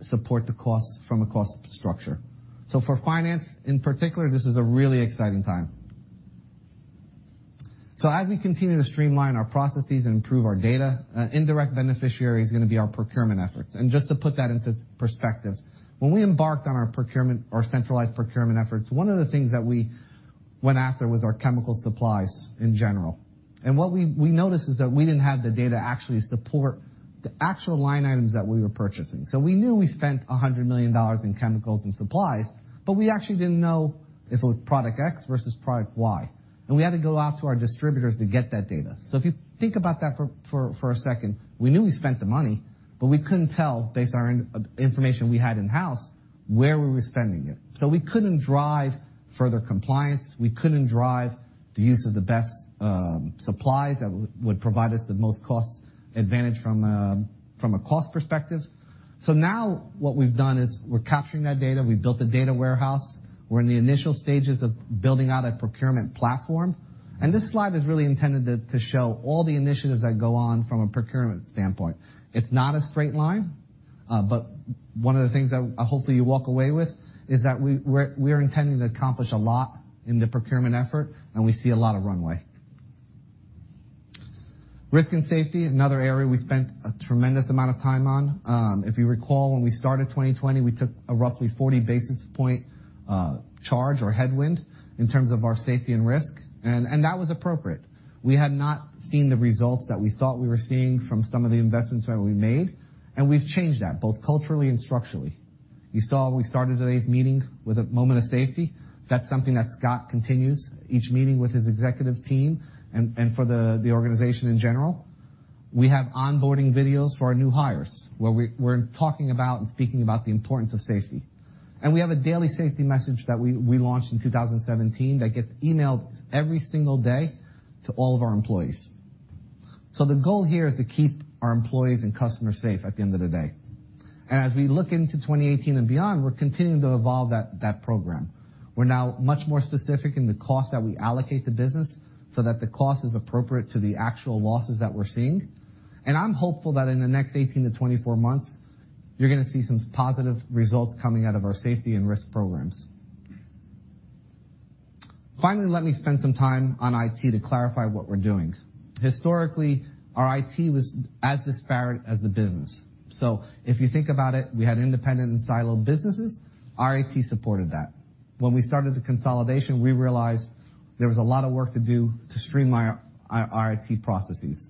Speaker 5: support the costs from a cost structure. For finance in particular, this is a really exciting time. As we continue to streamline our processes and improve our data, an indirect beneficiary is going to be our procurement efforts. Just to put that into perspective, when we embarked on our centralized procurement efforts, one of the things that we went after was our chemical supplies in general. What we noticed is that we didn't have the data to actually support the actual line items that we were purchasing. We knew we spent $100 million in chemicals and supplies, but we actually didn't know if it was product X versus product Y, and we had to go out to our distributors to get that data. If you think about that for a second, we knew we spent the money, but we couldn't tell based on information we had in-house where we were spending it. We couldn't drive further compliance. We couldn't drive the use of the best supplies that would provide us the most cost advantage from a cost perspective. Now what we've done is we're capturing that data. We've built a data warehouse. We're in the initial stages of building out a procurement platform, this slide is really intended to show all the initiatives that go on from a procurement standpoint. It's not a straight line, one of the things that hopefully you walk away with is that we are intending to accomplish a lot in the procurement effort, we see a lot of runway. Risk and safety, another area we spent a tremendous amount of time on. If you recall, when we started 2020, we took a roughly 40 basis point charge or headwind in terms of our safety and risk, and that was appropriate. We had not seen the results that we thought we were seeing from some of the investments that we made, and we've changed that both culturally and structurally. You saw we started today's meeting with a moment of safety. That's something that Scott continues each meeting with his executive team and for the organization in general. We have onboarding videos for our new hires, where we're talking about and speaking about the importance of safety. We have a daily safety message that we launched in 2017 that gets emailed every single day to all of our employees. The goal here is to keep our employees and customers safe at the end of the day. As we look into 2018 and beyond, we're continuing to evolve that program. We're now much more specific in the cost that we allocate to business so that the cost is appropriate to the actual losses that we're seeing. I'm hopeful that in the next 18-24 months, you're going to see some positive results coming out of our safety and risk programs. Finally, let me spend some time on IT to clarify what we're doing. Historically, our IT was as disparate as the business. If you think about it, we had independent and siloed businesses. Our IT supported that. When we started the consolidation, we realized there was a lot of work to do to streamline our IT processes.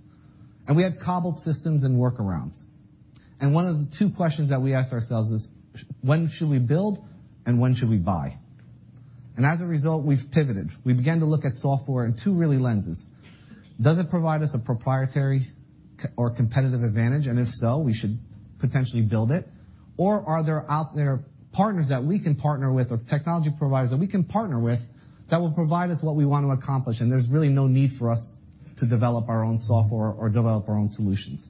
Speaker 5: We had cobbled systems and workarounds. One of the two questions that we asked ourselves is: When should we build, and when should we buy? As a result, we've pivoted. We began to look at software in two really lenses. Does it provide us a proprietary or competitive advantage, and if so, we should potentially build it? Are there partners that we can partner with or technology providers that we can partner with that will provide us what we want to accomplish, and there's really no need for us to develop our own software or develop our own solutions?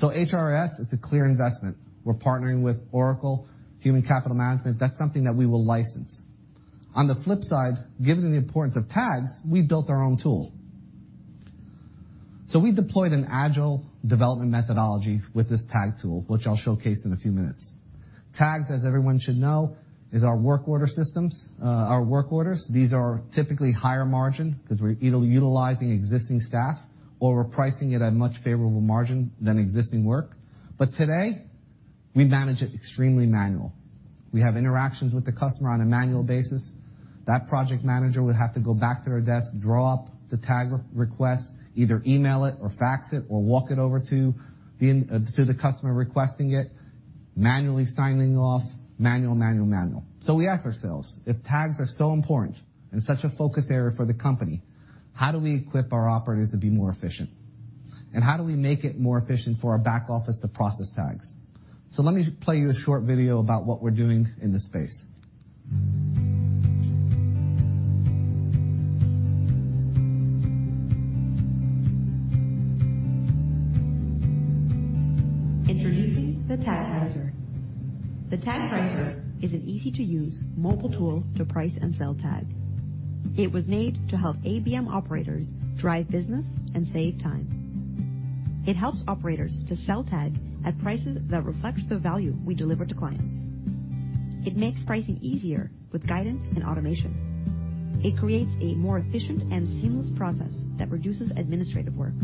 Speaker 5: HRS, it's a clear investment. We're partnering with Oracle Human Capital Management. That's something that we will license. On the flip side, given the importance of Tags, we built our own tool. We deployed an agile development methodology with this Tag tool, which I'll showcase in a few minutes. Tags, as everyone should know, is our work order systems, our work orders. These are typically higher margin because we're either utilizing existing staff or we're pricing it at a much favorable margin than existing work. Today, we manage it extremely manual. We have interactions with the customer on a manual basis. That project manager would have to go back to their desk, draw up the Tag request, either email it or fax it or walk it over to the customer requesting it. Manually signing off, manual. We ask ourselves, if Tags are so important and such a focus area for the company, how do we equip our operators to be more efficient? How do we make it more efficient for our back office to process Tags? Let me play you a short video about what we're doing in this space.
Speaker 6: Introducing the Tag Pricer. The Tag Pricer is an easy-to-use mobile tool to price and sell Tags. It was made to help ABM operators drive business and save time. It helps operators to sell Tags at prices that reflect the value we deliver to clients. It makes pricing easier with guidance and automation. It creates a more efficient and seamless process that reduces administrative work.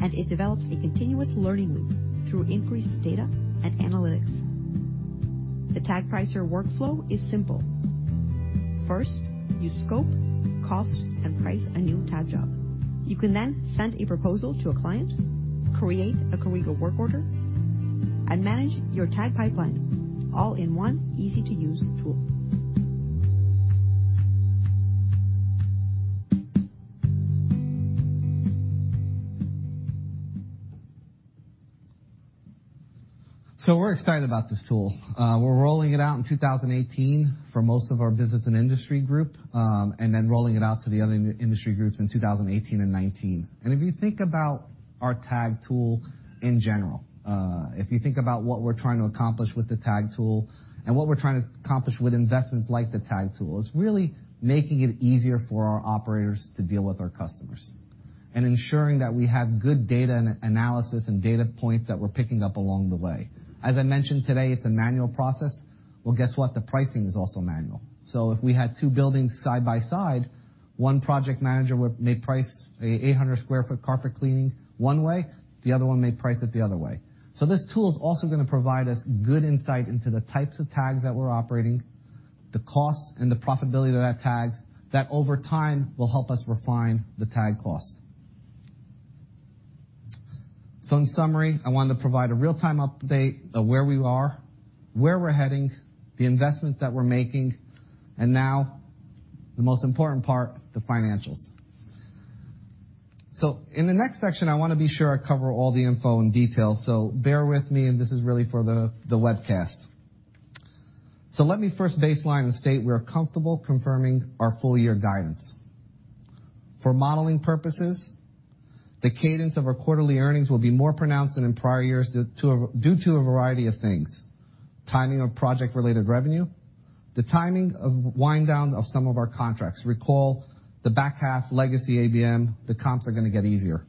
Speaker 6: It develops a continuous learning loop through increased data and analytics. The Tag Pricer workflow is simple. First, you scope, cost, and price a new Tag job. You can then send a proposal to a client, create a Corrigo work order, and manage your Tag pipeline, all in one easy-to-use tool.
Speaker 5: We're excited about this tool. We're rolling it out in 2018 for most of our business and industry group, then rolling it out to the other industry groups in 2018 and 2019. If you think about our Tag tool in general, if you think about what we're trying to accomplish with the Tag tool, and what we're trying to accomplish with investments like the Tag tool, it's really making it easier for our operators to deal with our customers and ensuring that we have good data analysis and data points that we're picking up along the way. As I mentioned today, it's a manual process. Well, guess what? The pricing is also manual. If we had two buildings side by side, one project manager may price an 800 sq ft carpet cleaning one way, the other one may price it the other way. This tool is also going to provide us good insight into the types of Tags that we're operating, the cost and the profitability of those Tags, that over time will help us refine the Tag cost. In summary, I wanted to provide a real-time update of where we are, where we're heading, the investments that we're making, and now the most important part, the financials. In the next section, I want to be sure I cover all the info in detail. Bear with me and this is really for the webcast. Let me first baseline and state we are comfortable confirming our full-year guidance. For modeling purposes, the cadence of our quarterly earnings will be more pronounced than in prior years due to a variety of things. Timing of project-related revenue, the timing of wind-down of some of our contracts. Recall the back-half legacy ABM, the comps are going to get easier.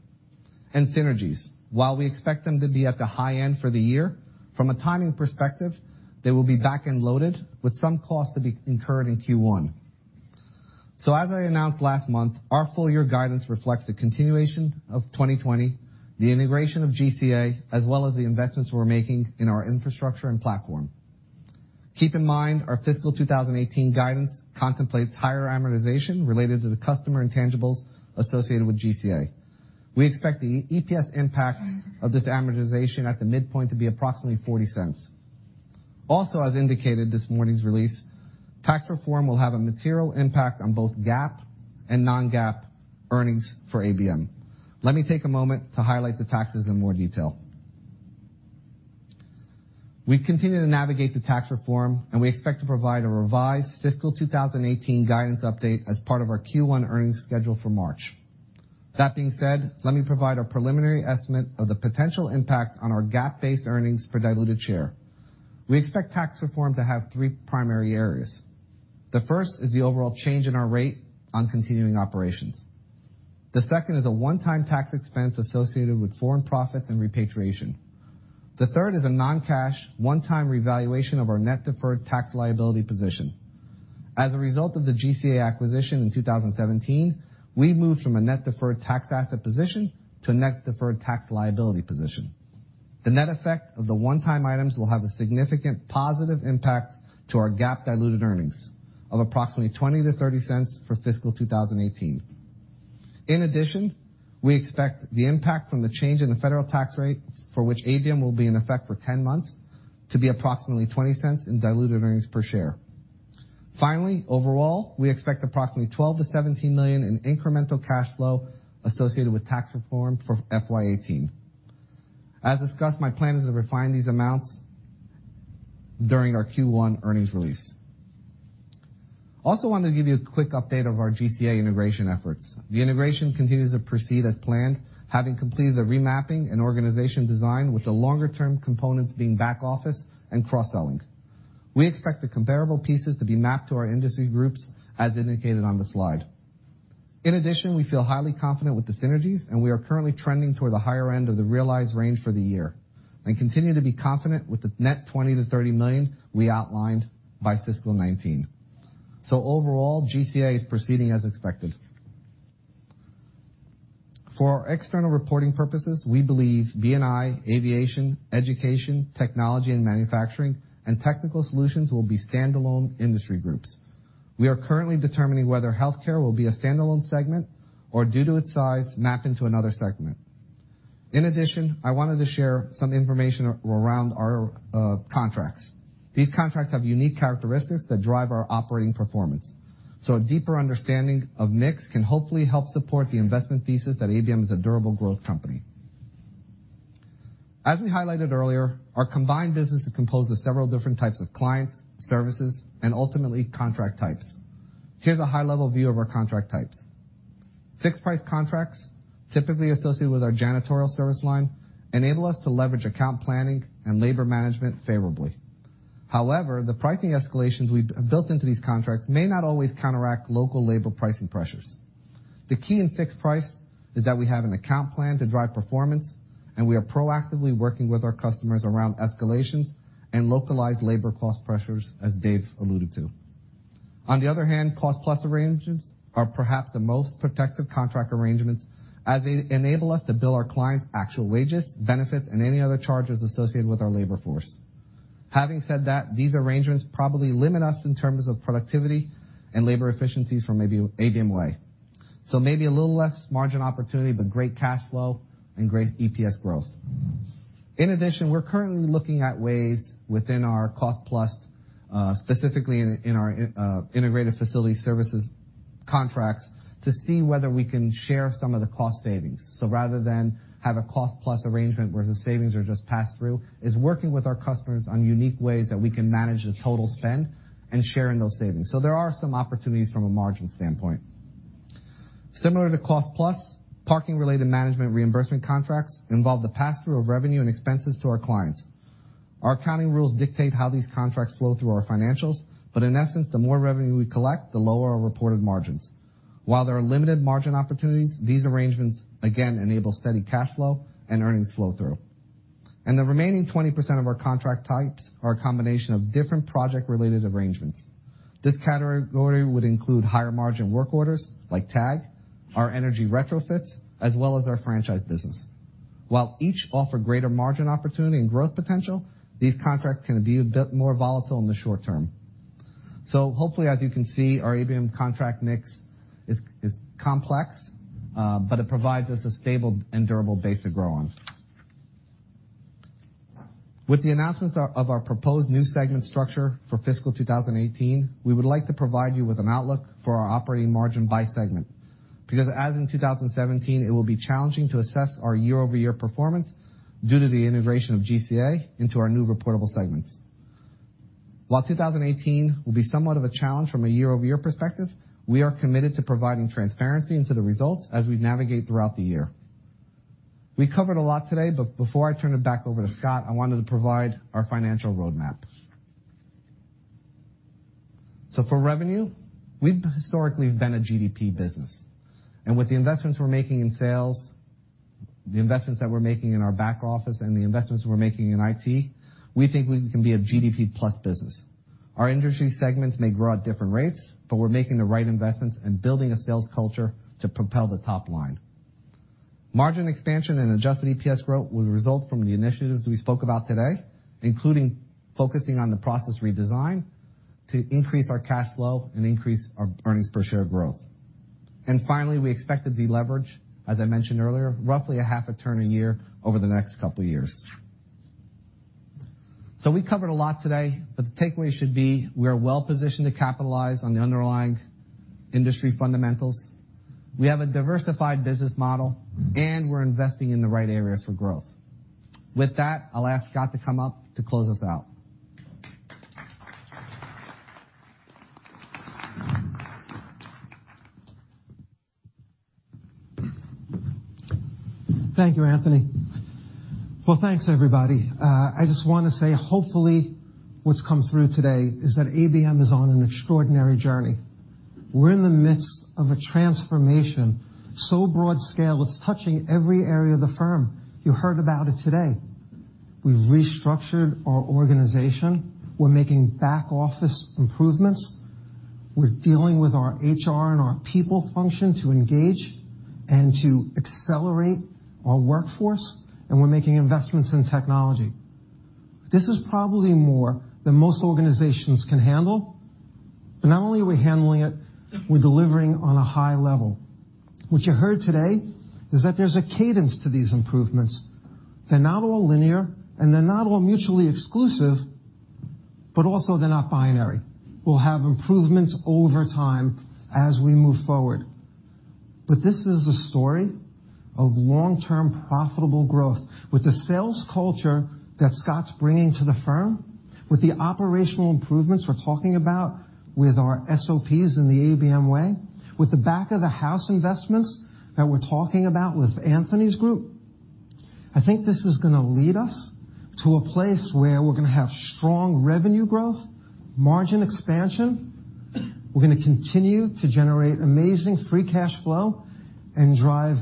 Speaker 5: Synergies. While we expect them to be at the high end for the year, from a timing perspective, they will be back-end loaded with some costs to be incurred in Q1. As I announced last month, our full-year guidance reflects the continuation of 2020 Vision, the integration of GCA, as well as the investments we're making in our infrastructure and platform. Keep in mind our fiscal 2018 guidance contemplates higher amortization related to the customer intangibles associated with GCA. We expect the EPS impact of this amortization at the midpoint to be approximately $0.40. Also, as indicated this morning's release, tax reform will have a material impact on both GAAP and non-GAAP earnings for ABM. Let me take a moment to highlight the taxes in more detail. We continue to navigate the tax reform, we expect to provide a revised fiscal 2018 guidance update as part of our Q1 earnings schedule for March. That being said, let me provide a preliminary estimate of the potential impact on our GAAP-based earnings per diluted share. We expect tax reform to have three primary areas. The first is the overall change in our rate on continuing operations. The second is a one-time tax expense associated with foreign profits and repatriation. The third is a non-cash, one-time revaluation of our net deferred tax liability position. As a result of the GCA acquisition in 2017, we moved from a net deferred tax asset position to a net deferred tax liability position. The net effect of the one-time items will have a significant positive impact to our GAAP diluted earnings of approximately $0.20-$0.30 for fiscal 2018. In addition, we expect the impact from the change in the federal tax rate, for which ABM will be in effect for 10 months, to be approximately $0.20 in diluted earnings per share. Finally, overall, we expect approximately $12 million-$17 million in incremental cash flow associated with tax reform for FY 2018. As discussed, my plan is to refine these amounts during our Q1 earnings release. Also wanted to give you a quick update of our GCA integration efforts. The integration continues to proceed as planned, having completed the remapping and organization design with the longer-term components being back office and cross-selling. We expect the comparable pieces to be mapped to our industry groups, as indicated on the slide. In addition, we feel highly confident with the synergies, and we are currently trending toward the higher end of the realized range for the year, and continue to be confident with the net $20 million-$30 million we outlined by FY 2019. Overall, GCA is proceeding as expected. For our external reporting purposes, we believe B&I, aviation, education, technology and manufacturing, and technical solutions will be standalone industry groups. We are currently determining whether healthcare will be a standalone segment or, due to its size, map into another segment. In addition, I wanted to share some information around our contracts. These contracts have unique characteristics that drive our operating performance. A deeper understanding of mix can hopefully help support the investment thesis that ABM is a durable growth company. As we highlighted earlier, our combined business is composed of several different types of clients, services, and ultimately, contract types. Here's a high-level view of our contract types. Fixed price contracts, typically associated with our janitorial service line, enable us to leverage account planning and labor management favorably. However, the pricing escalations we've built into these contracts may not always counteract local labor pricing pressures. The key in fixed price is that we have an account plan to drive performance, and we are proactively working with our customers around escalations and localized labor cost pressures, as Dave alluded to. On the other hand, cost-plus arrangements are perhaps the most protective contract arrangements, as they enable us to bill our clients' actual wages, benefits, and any other charges associated with our labor force. Having said that, these arrangements probably limit us in terms of productivity and labor efficiencies from ABM Way. Maybe a little less margin opportunity, but great cash flow and great EPS growth. In addition, we're currently looking at ways within our cost-plus, specifically in our integrated facility services contracts, to see whether we can share some of the cost savings. Rather than have a cost-plus arrangement where the savings are just passed through, is working with our customers on unique ways that we can manage the total spend and share in those savings. There are some opportunities from a margin standpoint. Similar to cost-plus, parking-related management reimbursement contracts involve the pass-through of revenue and expenses to our clients. Our accounting rules dictate how these contracts flow through our financials, but in essence, the more revenue we collect, the lower our reported margins. While there are limited margin opportunities, these arrangements, again, enable steady cash flow and earnings flow-through. The remaining 20% of our contract types are a combination of different project-related arrangements. This category would include higher-margin work orders like Tag, our energy retrofits, as well as our franchise business. While each offer greater margin opportunity and growth potential, these contracts can be a bit more volatile in the short term. Hopefully, as you can see, our ABM contract mix is complex, but it provides us a stable and durable base to grow on. With the announcements of our proposed new segment structure for fiscal 2018, we would like to provide you with an outlook for our operating margin by segment. As in 2017, it will be challenging to assess our year-over-year performance due to the integration of GCA into our new reportable segments. While 2018 will be somewhat of a challenge from a year-over-year perspective, we are committed to providing transparency into the results as we navigate throughout the year. We covered a lot today, but before I turn it back over to Scott, I wanted to provide our financial roadmap. For revenue, we've historically been a GDP business. With the investments we're making in sales, the investments that we're making in our back office, and the investments we're making in IT, we think we can be a GDP-plus business. Our industry segments may grow at different rates, but we're making the right investments and building a sales culture to propel the top line. Margin expansion and adjusted EPS growth will result from the initiatives we spoke about today, including focusing on the process redesign to increase our cash flow and increase our earnings per share growth. Finally, we expect to deleverage, as I mentioned earlier, roughly a half a turn a year over the next couple of years. We covered a lot today, but the takeaway should be we are well-positioned to capitalize on the underlying industry fundamentals. We have a diversified business model, and we're investing in the right areas for growth. With that, I'll ask Scott to come up to close us out.
Speaker 2: Thank you, Anthony. Thanks, everybody. I just want to say, hopefully, what's come through today is that ABM is on an extraordinary journey. We're in the midst of a transformation so broad scale, it's touching every area of the firm. You heard about it today. We've restructured our organization. We're making back-office improvements. We're dealing with our HR and our people function to engage and to accelerate our workforce, and we're making investments in technology. This is probably more than most organizations can handle. Not only are we handling it, we're delivering on a high level. What you heard today is that there's a cadence to these improvements. They're not all linear, and they're not all mutually exclusive, but also they're not binary. We'll have improvements over time as we move forward. This is a story of long-term profitable growth. With the sales culture that Scott's bringing to the firm, with the operational improvements we're talking about with our SOPs in the ABM Way, with the back-of-the-house investments that we're talking about with Anthony's group, I think this is going to lead us to a place where we're going to have strong revenue growth, margin expansion. We're going to continue to generate amazing free cash flow and drive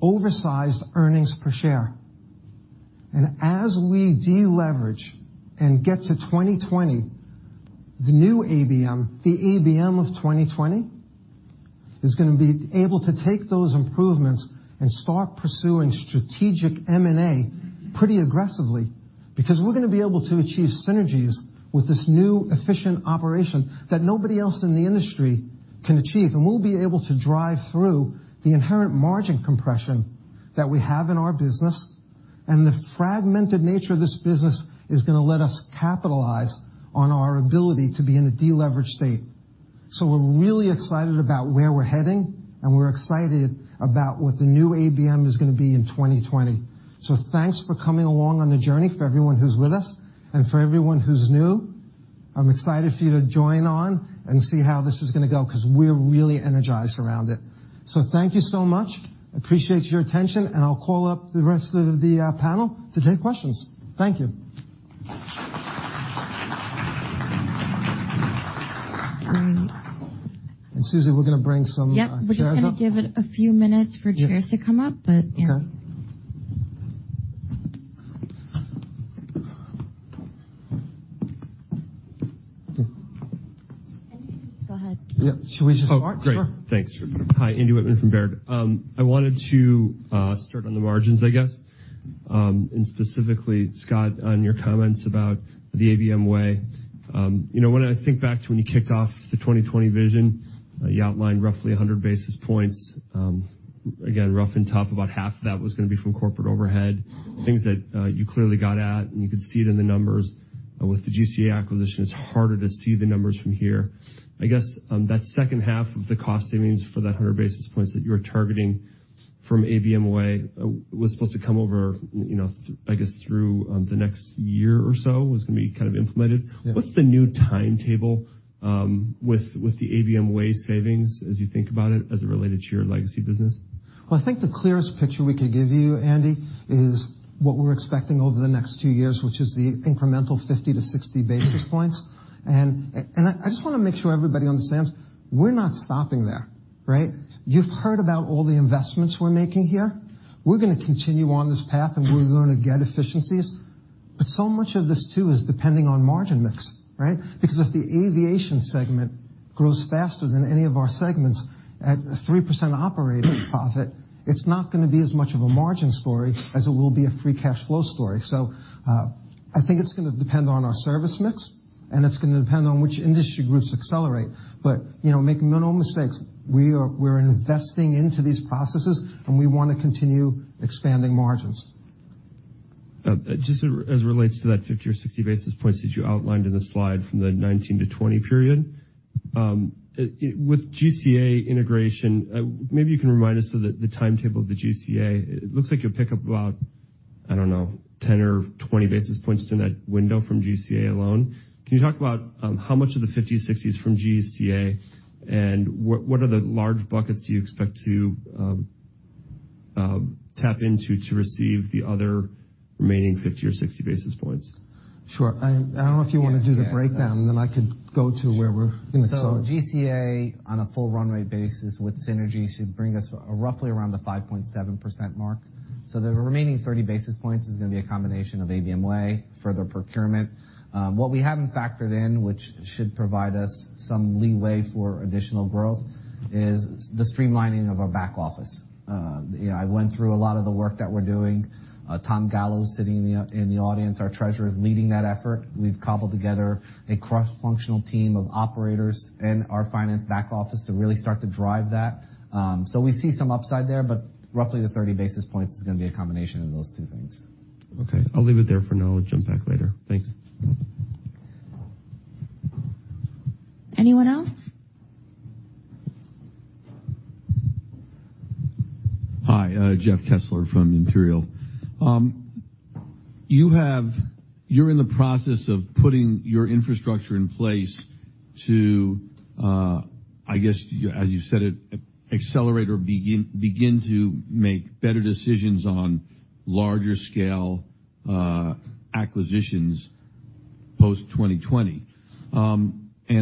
Speaker 2: oversized earnings per share. As we deleverage and get to 2020, the new ABM, the ABM of 2020 is going to be able to take those improvements and start pursuing strategic M&A pretty aggressively, because we're going to be able to achieve synergies with this new, efficient operation that nobody else in the industry can achieve. We'll be able to drive through the inherent margin compression that we have in our business. The fragmented nature of this business is going to let us capitalize on our ability to be in a de-leveraged state. We're really excited about where we're heading, and we're excited about what the new ABM is going to be in 2020. Thanks for coming along on the journey, for everyone who's with us. For everyone who's new, I'm excited for you to join on and see how this is going to go, because we're really energized around it. Thank you so much. I appreciate your attention, and I'll call up the rest of the panel to take questions. Thank you. Susie, we're going to bring some chairs up.
Speaker 1: We're just going to give it a few minutes for chairs to come up.
Speaker 2: Okay.
Speaker 1: Andy, go ahead.
Speaker 2: Yeah. Should we just start? Sure.
Speaker 7: Oh, great. Thanks. Hi. Andy Wittmann from Baird. I wanted to start on the margins, I guess. Specifically, Scott, on your comments about the ABM Way. When I think back to when you kicked off the 2020 Vision, you outlined roughly 100 basis points. Again, rough and tough, about half that was going to be from corporate overhead, things that you clearly got at, and you could see it in the numbers. With the GCA acquisition, it's harder to see the numbers from here. I guess, that second half of the cost savings for that 100 basis points that you're targeting from ABM Way was supposed to come over, I guess, through the next year or so was going to be kind of implemented.
Speaker 2: Yeah.
Speaker 7: What's the new timetable with the ABM Way savings as you think about it, as it related to your legacy business?
Speaker 2: Well, I think the clearest picture we could give you, Andy, is what we're expecting over the next two years, which is the incremental 50 to 60 basis points. I just want to make sure everybody understands, we're not stopping there. Right? You've heard about all the investments we're making here. We're going to continue on this path, and we're going to get efficiencies. So much of this, too, is depending on margin mix. Right? Because if the aviation segment grows faster than any of our segments at 3% operating profit, it's not going to be as much of a margin story as it will be a free cash flow story. I think it's going to depend on our service mix, and it's going to depend on which industry groups accelerate. Make no mistakes. We're investing into these processes, and we want to continue expanding margins.
Speaker 7: Just as it relates to that 50 or 60 basis points that you outlined in the slide from the 2019 to 2020 period, with GCA integration, maybe you can remind us of the timetable of GCA. It looks like you'll pick up about, I don't know, 10 or 20 basis points in that window from GCA alone. Can you talk about how much of the 50, 60 is from GCA, and what are the large buckets you expect to tap into to receive the other remaining 50 or 60 basis points?
Speaker 2: Sure. I don't know if you want to do the breakdown. Then I could go to where we're-
Speaker 5: Sure. GCA, on a full runway basis with synergy, should bring us roughly around the 5.7% mark. The remaining 30 basis points is going to be a combination of ABM Way, further procurement. What we haven't factored in, which should provide us some leeway for additional growth, is the streamlining of our back office. I went through a lot of the work that we're doing. Tom Gallo's sitting in the audience, our Treasurer, is leading that effort. We've cobbled together a cross-functional team of operators and our finance back office to really start to drive that. We see some upside there, but roughly the 30 basis points is going to be a combination of those two things.
Speaker 7: Okay. I'll leave it there for now and jump back later. Thanks.
Speaker 1: Anyone else?
Speaker 8: Hi. Jeff Kessler from Imperial Capital. You're in the process of putting your infrastructure in place to, I guess, as you said it, accelerate or begin to make better decisions on larger scale acquisitions post 2020.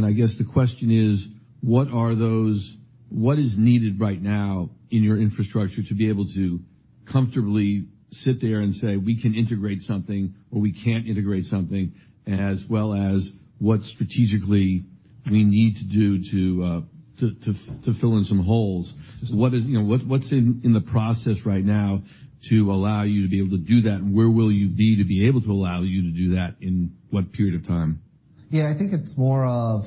Speaker 8: I guess the question is, what is needed right now in your infrastructure to be able to comfortably sit there and say, "We can integrate something," or, "We can't integrate something," as well as what strategically we need to do to fill in some holes?
Speaker 2: Sure.
Speaker 8: What's in the process right now to allow you to be able to do that, where will you be to be able to allow you to do that in what period of time?
Speaker 5: Yeah, I think it's more of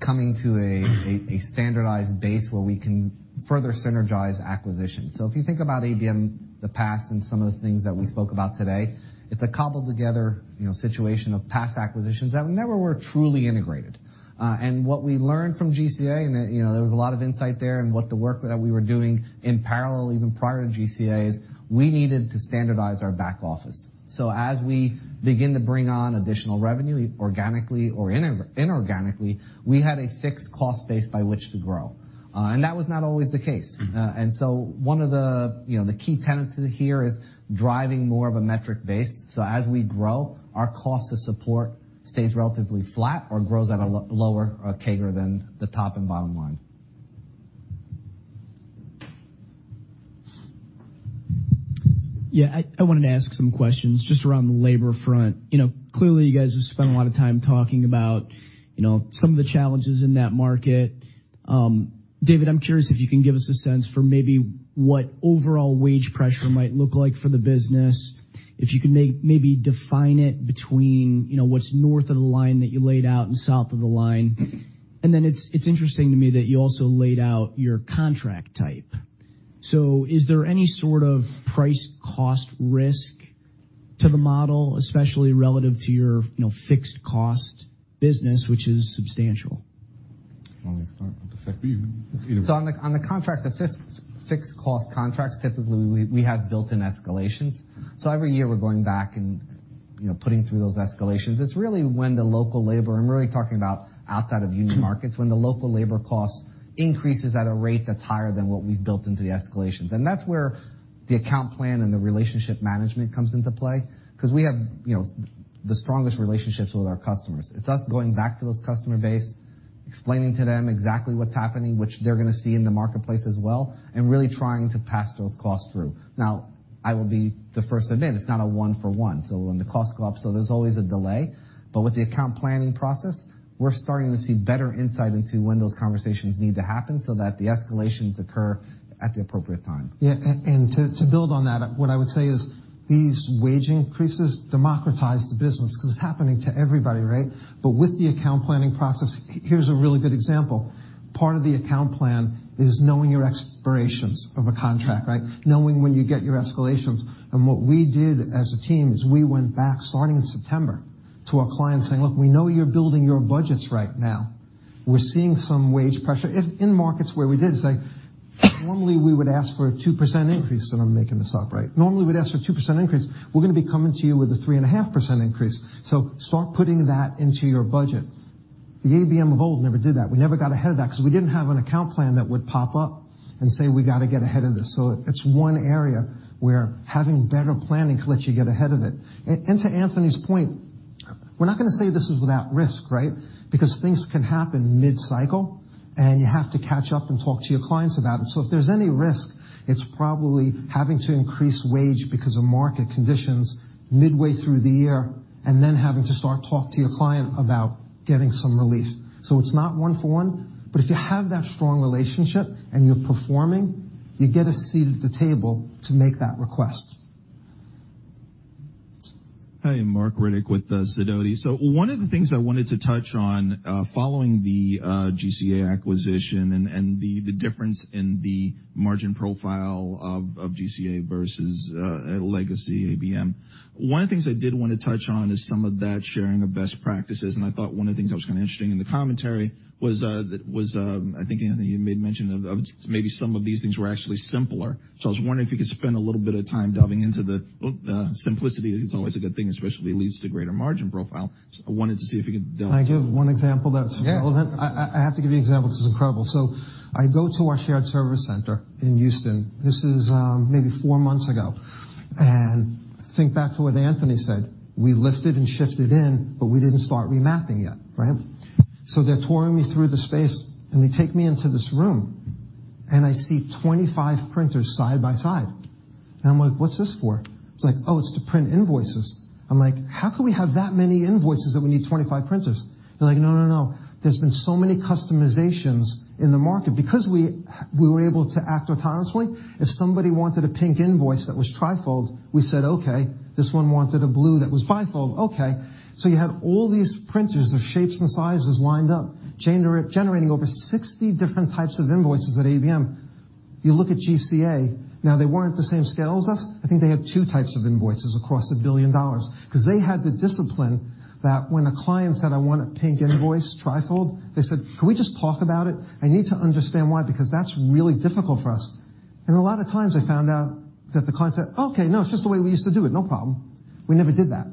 Speaker 5: coming to a standardized base where we can further synergize acquisitions. If you think about ABM, the past, and some of the things that we spoke about today, it's a cobbled together situation of past acquisitions that never were truly integrated. What we learned from GCA, and there was a lot of insight there in what the work that we were doing in parallel, even prior to GCA, is we needed to standardize our back office. As we begin to bring on additional revenue, organically or inorganically, we had a fixed cost base by which to grow. That was not always the case. One of the key tenets here is driving more of a metric base. As we grow, our cost to support stays relatively flat or grows at a lower CAGR than the top and bottom line.
Speaker 9: Yeah. I wanted to ask some questions just around the labor front. Clearly, you guys have spent a lot of time talking about some of the challenges in that market. David, I'm curious if you can give us a sense for maybe what overall wage pressure might look like for the business, if you could maybe define it between what's north of the line that you laid out and south of the line. Then it's interesting to me that you also laid out your contract type. Is there any sort of price cost risk to the model, especially relative to your fixed cost business, which is substantial?
Speaker 2: You want me to start with the fixed?
Speaker 5: On the contract, the fixed cost contracts, typically, we have built-in escalations. Every year we're going back and putting through those escalations. It's really when the local labor, I'm really talking about outside of union markets, when the local labor cost increases at a rate that's higher than what we've built into the escalations. That's where the account plan and the relationship management comes into play because we have the strongest relationships with our customers. It's us going back to those customer base, explaining to them exactly what's happening, which they're going to see in the marketplace as well, and really trying to pass those costs through. I will be the first to admit, it's not a one for one. When the costs go up, there's always a delay. With the account planning process, we're starting to see better insight into when those conversations need to happen so that the escalations occur at the appropriate time.
Speaker 2: Yeah. To build on that, what I would say is these wage increases democratize the business because it's happening to everybody, right? With the account planning process, here's a really good example. Part of the account plan is knowing your expirations of a contract, right? Knowing when you get your escalations. What we did as a team is we went back, starting in September, to our clients saying, "Look, we know you're building your budgets right now. We're seeing some wage pressure." In markets where we did say, "Normally, we would ask for a 2% increase," and I'm making this up, right? "Normally, we'd ask for a 2% increase. We're going to be coming to you with a 3.5% increase. Start putting that into your budget." The ABM of old never did that. We never got ahead of that because we didn't have an account plan that would pop up and say, "We got to get ahead of this." It's one area where having better planning lets you get ahead of it. To Anthony's point, we're not going to say this is without risk, right? Because things can happen mid-cycle, and you have to catch up and talk to your clients about it. If there's any risk, it's probably having to increase wage because of market conditions midway through the year, and then having to start talk to your client about getting some relief. It's not one for one, but if you have that strong relationship and you're performing, you get a seat at the table to make that request.
Speaker 10: Hi. Marc Riddick with Sidoti. One of the things I wanted to touch on, following the GCA acquisition and the difference in the margin profile of GCA versus legacy ABM. One of the things I did want to touch on is some of that sharing of best practices, and I thought one of the things that was interesting in the commentary was, I think, Anthony, you made mention of maybe some of these things were actually simpler. I was wondering if you could spend a little bit of time delving into the simplicity is always a good thing, especially leads to greater margin profile. I wanted to see if you could delve into that.
Speaker 2: Can I give one example that's relevant?
Speaker 5: Yeah.
Speaker 2: I have to give you an example. This is incredible. I go to our shared service center in Houston. This is maybe four months ago. Think back to what Anthony said. We lifted and shifted in, but we didn't start remapping yet, right? They're touring me through the space, and they take me into this room, and I see 25 printers side by side. I'm like, "What's this for?" It's like, "Oh, it's to print invoices." I'm like, "How can we have that many invoices that we need 25 printers?" They're like, "No, no. There's been so many customizations in the market." We were able to act autonomously, if somebody wanted a pink invoice that was trifold, we said, "Okay." This one wanted a blue that was bifold. Okay. You have all these printers of shapes and sizes lined up, generating over 60 different types of invoices at ABM. You look at GCA, now they weren't the same scale as us. I think they have two types of invoices across $1 billion because they had the discipline that when a client said, "I want a pink invoice trifold," they said, "Can we just talk about it? I need to understand why, because that's really difficult for us." A lot of times I found out that the client said, "Okay, no, it's just the way we used to do it. No problem." We never did that.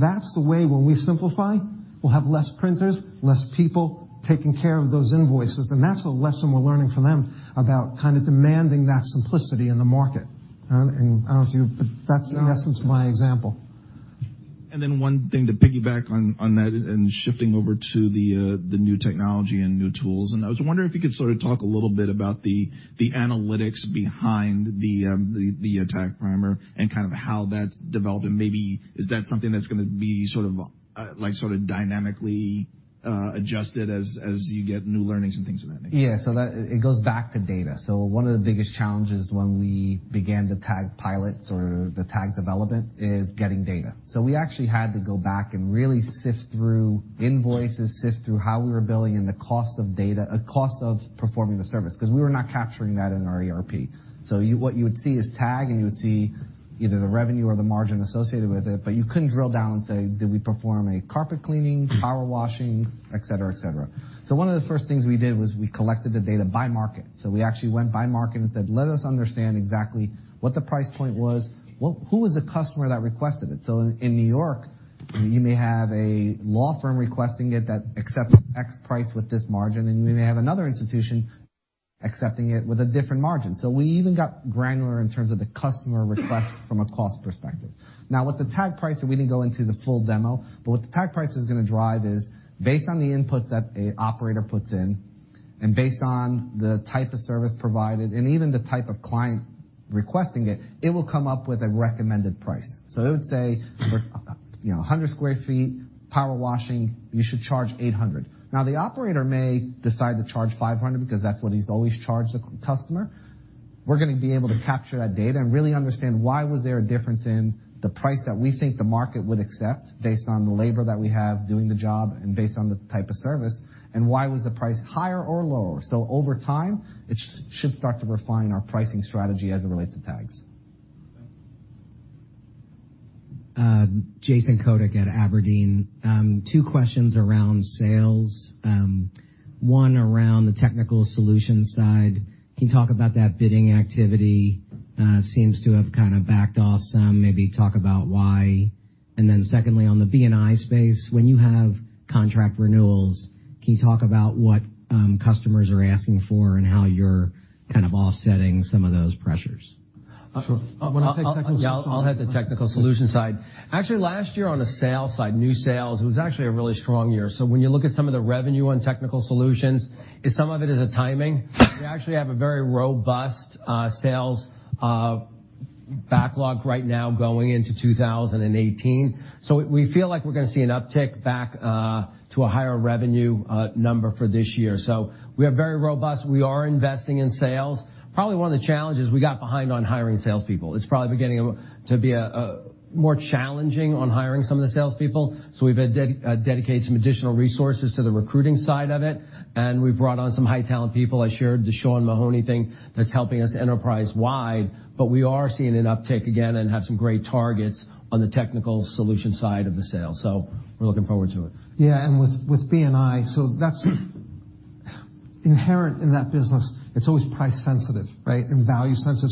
Speaker 2: That's the way when we simplify, we'll have less printers, less people taking care of those invoices. That's a lesson we're learning from them about demanding that simplicity in the market. I don't know if you, but that's in essence my example.
Speaker 10: one thing to piggyback on that and shifting over to the new technology and new tools. I was wondering if you could sort of talk a little bit about the analytics behind the Tag Pricer and kind of how that's developed and maybe is that something that's going to be dynamically adjusted as you get new learnings and things of that nature?
Speaker 5: Yeah. That it goes back to data. One of the biggest challenges when we began the Tag pilots or the Tag development is getting data. We actually had to go back and really sift through invoices, sift through how we were billing and the cost of data, cost of performing the service, because we were not capturing that in our ERP. What you would see is Tag, and you would see either the revenue or the margin associated with it, but you couldn't drill down and say, did we perform a carpet cleaning, power washing, et cetera. One of the first things we did was we collected the data by market. We actually went by market and said, let us understand exactly what the price point was. Who was the customer that requested it? In New York, you may have a law firm requesting it that accepts X price with this margin, and you may have another institution accepting it with a different margin. We even got granular in terms of the customer request from a cost perspective. Now, with the Tag pricer, we didn't go into the full demo, but what the Tag price is going to drive is based on the input that an operator puts in based on the type of service provided and even the type of client requesting it will come up with a recommended price. It would say, 100 square feet, power washing, you should charge $800. Now, the operator may decide to charge $500 because that's what he's always charged the customer. We're going to be able to capture that data and really understand why was there a difference in the price that we think the market would accept based on the labor that we have doing the job and based on the type of service, and why was the price higher or lower. Over time, it should start to refine our pricing strategy as it relates to Tags.
Speaker 11: Jason Kodak at Aberdeen. Two questions around sales. One around the technical solutions side. Can you talk about that bidding activity? Seems to have kind of backed off some, maybe talk about why. Secondly, on the B&I space, when you have contract renewals, can you talk about what customers are asking for and how you're kind of offsetting some of those pressures?
Speaker 5: Sure. You want to take the second?
Speaker 3: I'll have the technical solutions side. Actually, last year on the sales side, new sales, it was actually a really strong year. When you look at some of the revenue on technical solutions, some of it is the timing. We actually have a very robust sales backlog right now going into 2018. We feel like we're going to see an uptick back to a higher revenue number for this year. We are very robust. We are investing in sales. Probably one of the challenges, we got behind on hiring salespeople. It's probably beginning to be more challenging on hiring some of the salespeople. We've dedicated some additional resources to the recruiting side of it, and we've brought on some high talent people. I shared the Sean Mahoney thing that's helping us enterprise-wide, we are seeing an uptick again and have some great targets on the technical solutions side of the sale. We're looking forward to it.
Speaker 5: With B&I, that's inherent in that business. It's always price sensitive, right? Value sensitive.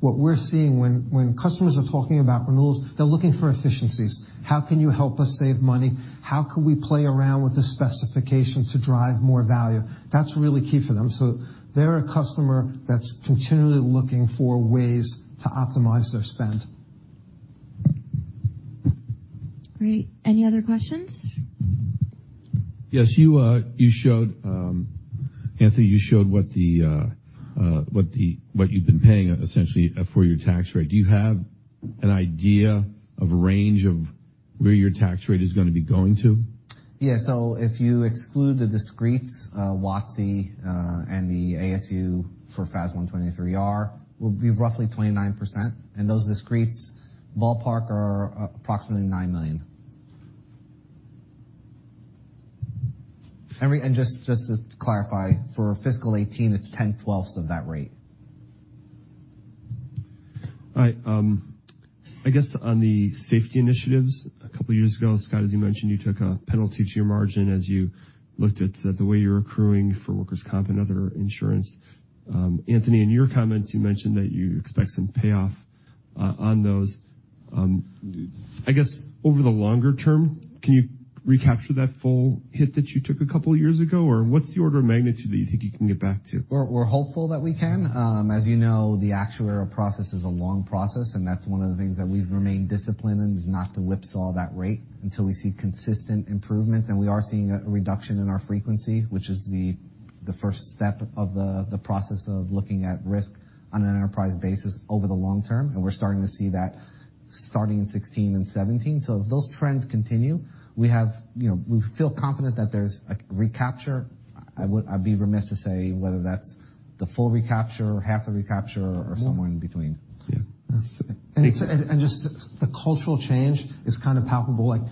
Speaker 5: What we're seeing when customers are talking about renewals, they're looking for efficiencies. How can you help us save money? How can we play around with the specification to drive more value? That's really key for them. They're a customer that's continually looking for ways to optimize their spend.
Speaker 1: Great. Any other questions?
Speaker 7: Yes. Anthony, you showed what you've been paying, essentially, for your tax rate. Do you have an idea of a range of where your tax rate is going to be going to?
Speaker 5: If you exclude the discretes, WOTC, and the ASU for FAS 123 R will be roughly 29%. Those discretes ballpark are approximately $9 million. Just to clarify, for fiscal 2018, it's 10 twelfths of that rate.
Speaker 7: All right. I guess on the safety initiatives, a couple of years ago, Scott, as you mentioned, you took a penalty to your margin as you looked at the way you're accruing for workers' comp and other insurance. Anthony, in your comments, you mentioned that you expect some payoff on those. I guess over the longer term, can you recapture that full hit that you took a couple of years ago? Or what's the order of magnitude that you think you can get back to?
Speaker 5: We're hopeful that we can. As you know, the actuary process is a long process. That's one of the things that we've remained disciplined in is not to whipsaw that rate until we see consistent improvements. We are seeing a reduction in our frequency, which is the first step of the process of looking at risk on an enterprise basis over the long term. We're starting to see that starting in 2016 and 2017. If those trends continue, we feel confident that there's a recapture. I'd be remiss to say whether that's the full recapture or half the recapture or somewhere in between.
Speaker 7: Yeah.
Speaker 5: Just the cultural change is kind of palpable.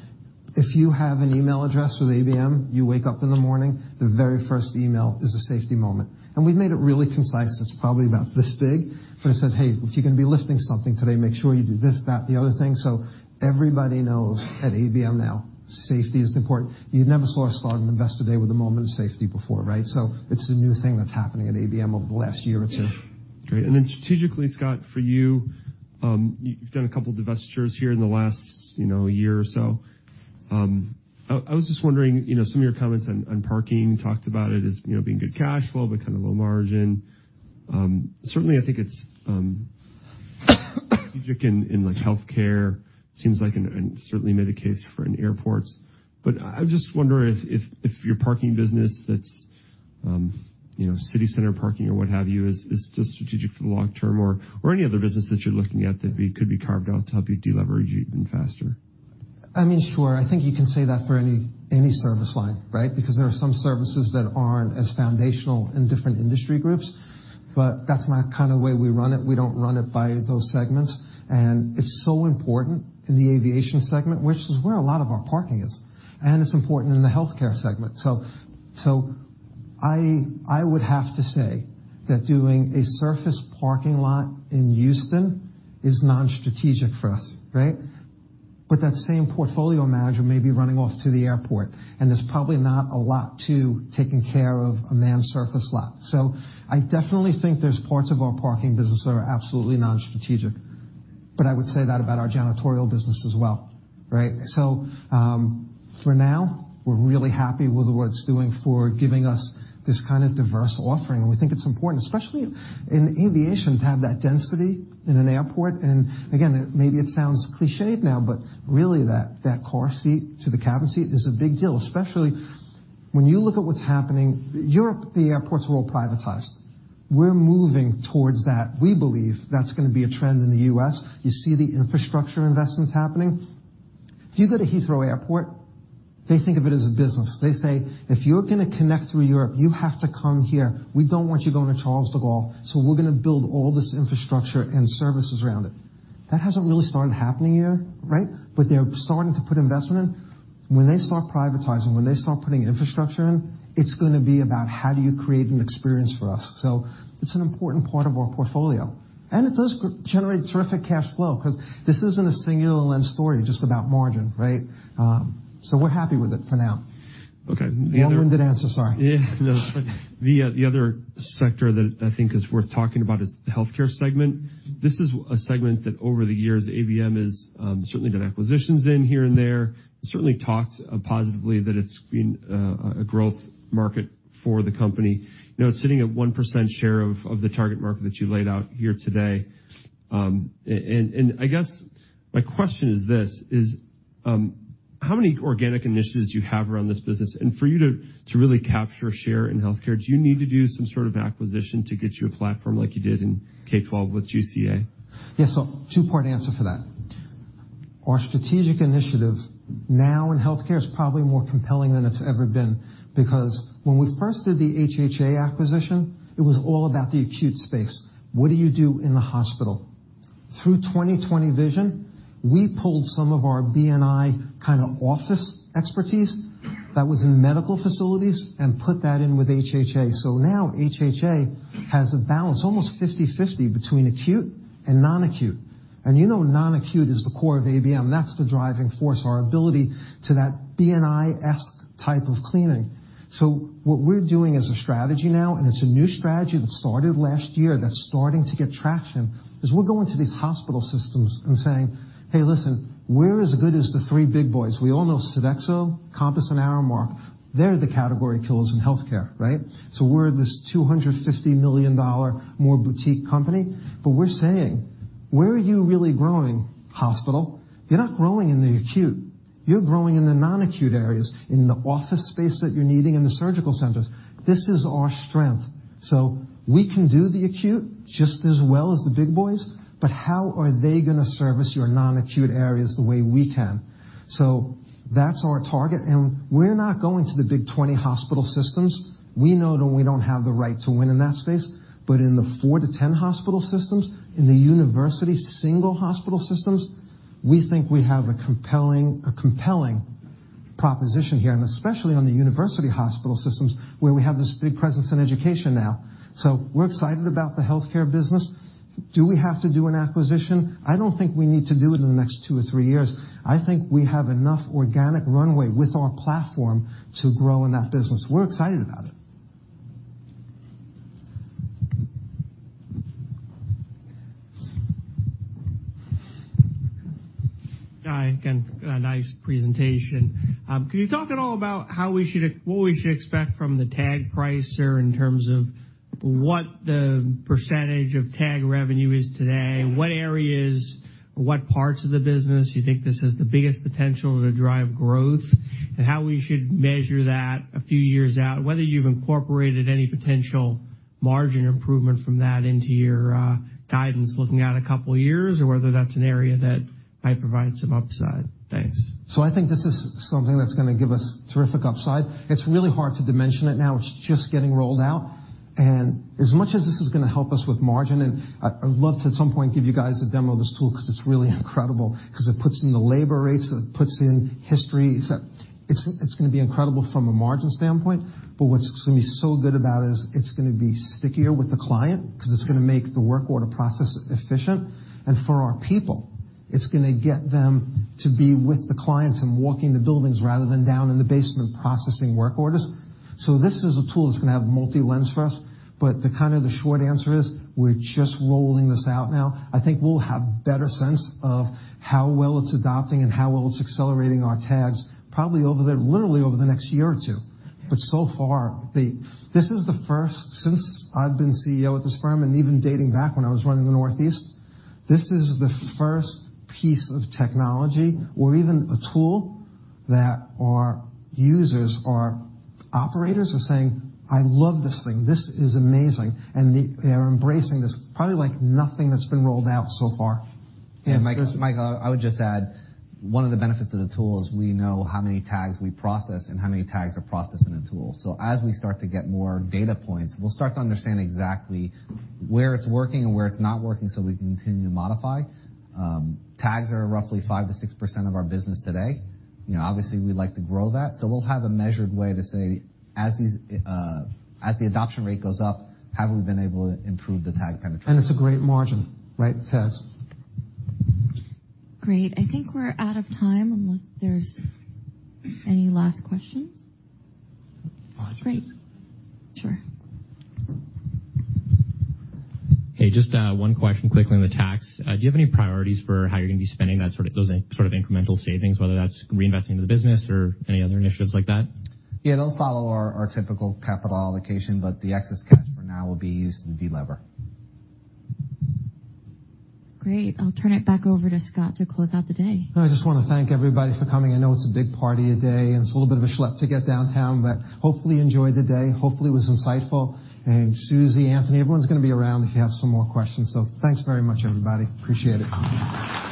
Speaker 5: If you have an email address with ABM, you wake up in the morning, the very first email is a safety moment. We've made it really concise. It's probably about this big, but it says, "Hey, if you're going to be lifting something today, make sure you do this, that, the other thing." Everybody knows at ABM now, safety is important. You never saw a single Investor Day with a moment of safety before, right? It's a new thing that's happening at ABM over the last year or two.
Speaker 7: Great. Strategically, Scott, for you've done a couple divestitures here in the last year or so. I was just wondering, some of your comments on parking, you talked about it as being good cash flow, but kind of low margin. Certainly, I think it's strategic in like healthcare, seems like, and certainly made a case for in airports. I just wonder if your parking business that's city center parking or what have you, is still strategic for the long term or any other business that you're looking at that could be carved out to help you de-leverage even faster.
Speaker 5: I mean, sure. I think you can say that for any service line, right? There are some services that aren't as foundational in different industry groups, but that's not kind of the way we run it. We don't run it by those segments. It's so important in the aviation segment, which is where a lot of our parking is, and it's important in the healthcare segment. I would have to say that doing a surface parking lot in Houston is non-strategic for us, right? That same portfolio manager may be running off to the airport, and there's probably not a lot to taking care of a manned surface lot. I definitely think there's parts of our parking business that are absolutely non-strategic. I would say that about our janitorial business as well, right? For now, we're really happy with what it's doing for giving us this kind of diverse offering. We think it's important, especially in aviation, to have that density in an airport. Again, maybe it sounds clichéd now, but really that car seat to the cabin seat is a big deal, especially when you look at what's happening. Europe, the airports are all privatized.
Speaker 2: We're moving towards that. We believe that's going to be a trend in the U.S. You see the infrastructure investments happening. If you go to Heathrow Airport, they think of it as a business. They say, "If you're going to connect through Europe, you have to come here. We don't want you going to Charles de Gaulle, we're going to build all this infrastructure and services around it." That hasn't really started happening here, right? They're starting to put investment in. When they start privatizing, when they start putting infrastructure in, it's going to be about how do you create an experience for us. It's an important part of our portfolio, and it does generate terrific cash flow because this isn't a singular lens story just about margin, right? We're happy with it for now.
Speaker 7: Okay.
Speaker 2: Long-winded answer. Sorry.
Speaker 7: Yeah, no, that's fine. The other sector that I think is worth talking about is the healthcare segment. This is a segment that over the years, ABM has certainly done acquisitions in here and there, certainly talked positively that it's been a growth market for the company. Now it's sitting at 1% share of the target market that you laid out here today. I guess my question is this: How many organic initiatives do you have around this business? For you to really capture a share in healthcare, do you need to do some sort of acquisition to get you a platform like you did in K-12 with GCA?
Speaker 2: Yeah. Two-part answer for that. Our strategic initiative now in healthcare is probably more compelling than it's ever been, because when we first did the HHA acquisition, it was all about the acute space. What do you do in the hospital? Through 2020 Vision, we pulled some of our B&I kind of office expertise that was in medical facilities and put that in with HHA. Now HHA has a balance, almost 50/50 between acute and non-acute. You know non-acute is the core of ABM. That's the driving force, our ability to that B&I-esque type of cleaning. What we're doing as a strategy now, it's a new strategy that started last year that's starting to get traction, is we're going to these hospital systems and saying, "Hey, listen, we're as good as the three big boys." We all know Sodexo, Compass, and Aramark. They're the category killers in healthcare, right? We're this $250 million more boutique company, we're saying, "Where are you really growing hospital? You're not growing in the acute. You're growing in the non-acute areas, in the office space that you're needing in the surgical centers." This is our strength. We can do the acute just as well as the big boys, how are they going to service your non-acute areas the way we can? That's our target, we're not going to the big 20 hospital systems. We know that we don't have the right to win in that space. In the 4-10 hospital systems, in the university single hospital systems, we think we have a compelling proposition here, especially on the university hospital systems where we have this big presence in education now. We're excited about the healthcare business. Do we have to do an acquisition? I don't think we need to do it in the next two or three years. I think we have enough organic runway with our platform to grow in that business. We're excited about it.
Speaker 9: Hi, again, nice presentation. Can you talk at all about what we should expect from the Tag Pricer in terms of what the % of tag revenue is today? What areas or what parts of the business you think this has the biggest potential to drive growth, and how we should measure that a few years out, whether you've incorporated any potential margin improvement from that into your guidance looking out a couple of years or whether that's an area that might provide some upside. Thanks.
Speaker 2: I think this is something that's going to give us terrific upside. It's really hard to dimension it now. It's just getting rolled out. As much as this is going to help us with margin, I'd love to at some point give you guys a demo of this tool because it's really incredible because it puts in the labor rates, it puts in history. It's going to be incredible from a margin standpoint. What's going to be so good about it is it's going to be stickier with the client because it's going to make the work order process efficient. For our people, it's going to get them to be with the clients and walking the buildings rather than down in the basement processing work orders. This is a tool that's going to have multi-lens for us, kind of the short answer is we're just rolling this out now. I think we'll have better sense of how well it's adopting and how well it's accelerating our tags probably literally over the next year or two. So far, this is the first since I've been CEO at this firm, even dating back when I was running the Northeast, this is the first piece of technology or even a tool that our users, our operators are saying, "I love this thing. This is amazing." They are embracing this probably like nothing that's been rolled out so far.
Speaker 5: Yeah, Michael, I would just add, one of the benefits of the tool is we know how many tags we process and how many tags are processed in the tool. As we start to get more data points, we'll start to understand exactly where it's working and where it's not working so we can continue to modify. Tags are roughly 5%-6% of our business today. Obviously, we'd like to grow that. We'll have a measured way to say as the adoption rate goes up, have we been able to improve the tag penetration?
Speaker 2: It's a great margin, right, Kess?
Speaker 1: Great. I think we're out of time unless there's any last questions.
Speaker 2: Roger.
Speaker 1: Great. Sure.
Speaker 9: Hey, just one question quickly on the tax. Do you have any priorities for how you're going to be spending those sort of incremental savings, whether that's reinvesting in the business or any other initiatives like that?
Speaker 5: Yeah, they'll follow our typical capital allocation, but the excess cash for now will be used to delever.
Speaker 1: Great. I'll turn it back over to Scott to close out the day.
Speaker 2: I just want to thank everybody for coming. I know it's a big party today, and it's a little bit of a schlep to get downtown, but hopefully you enjoyed the day. Hopefully it was insightful. Susie, Anthony, everyone's going to be around if you have some more questions. Thanks very much, everybody. Appreciate it.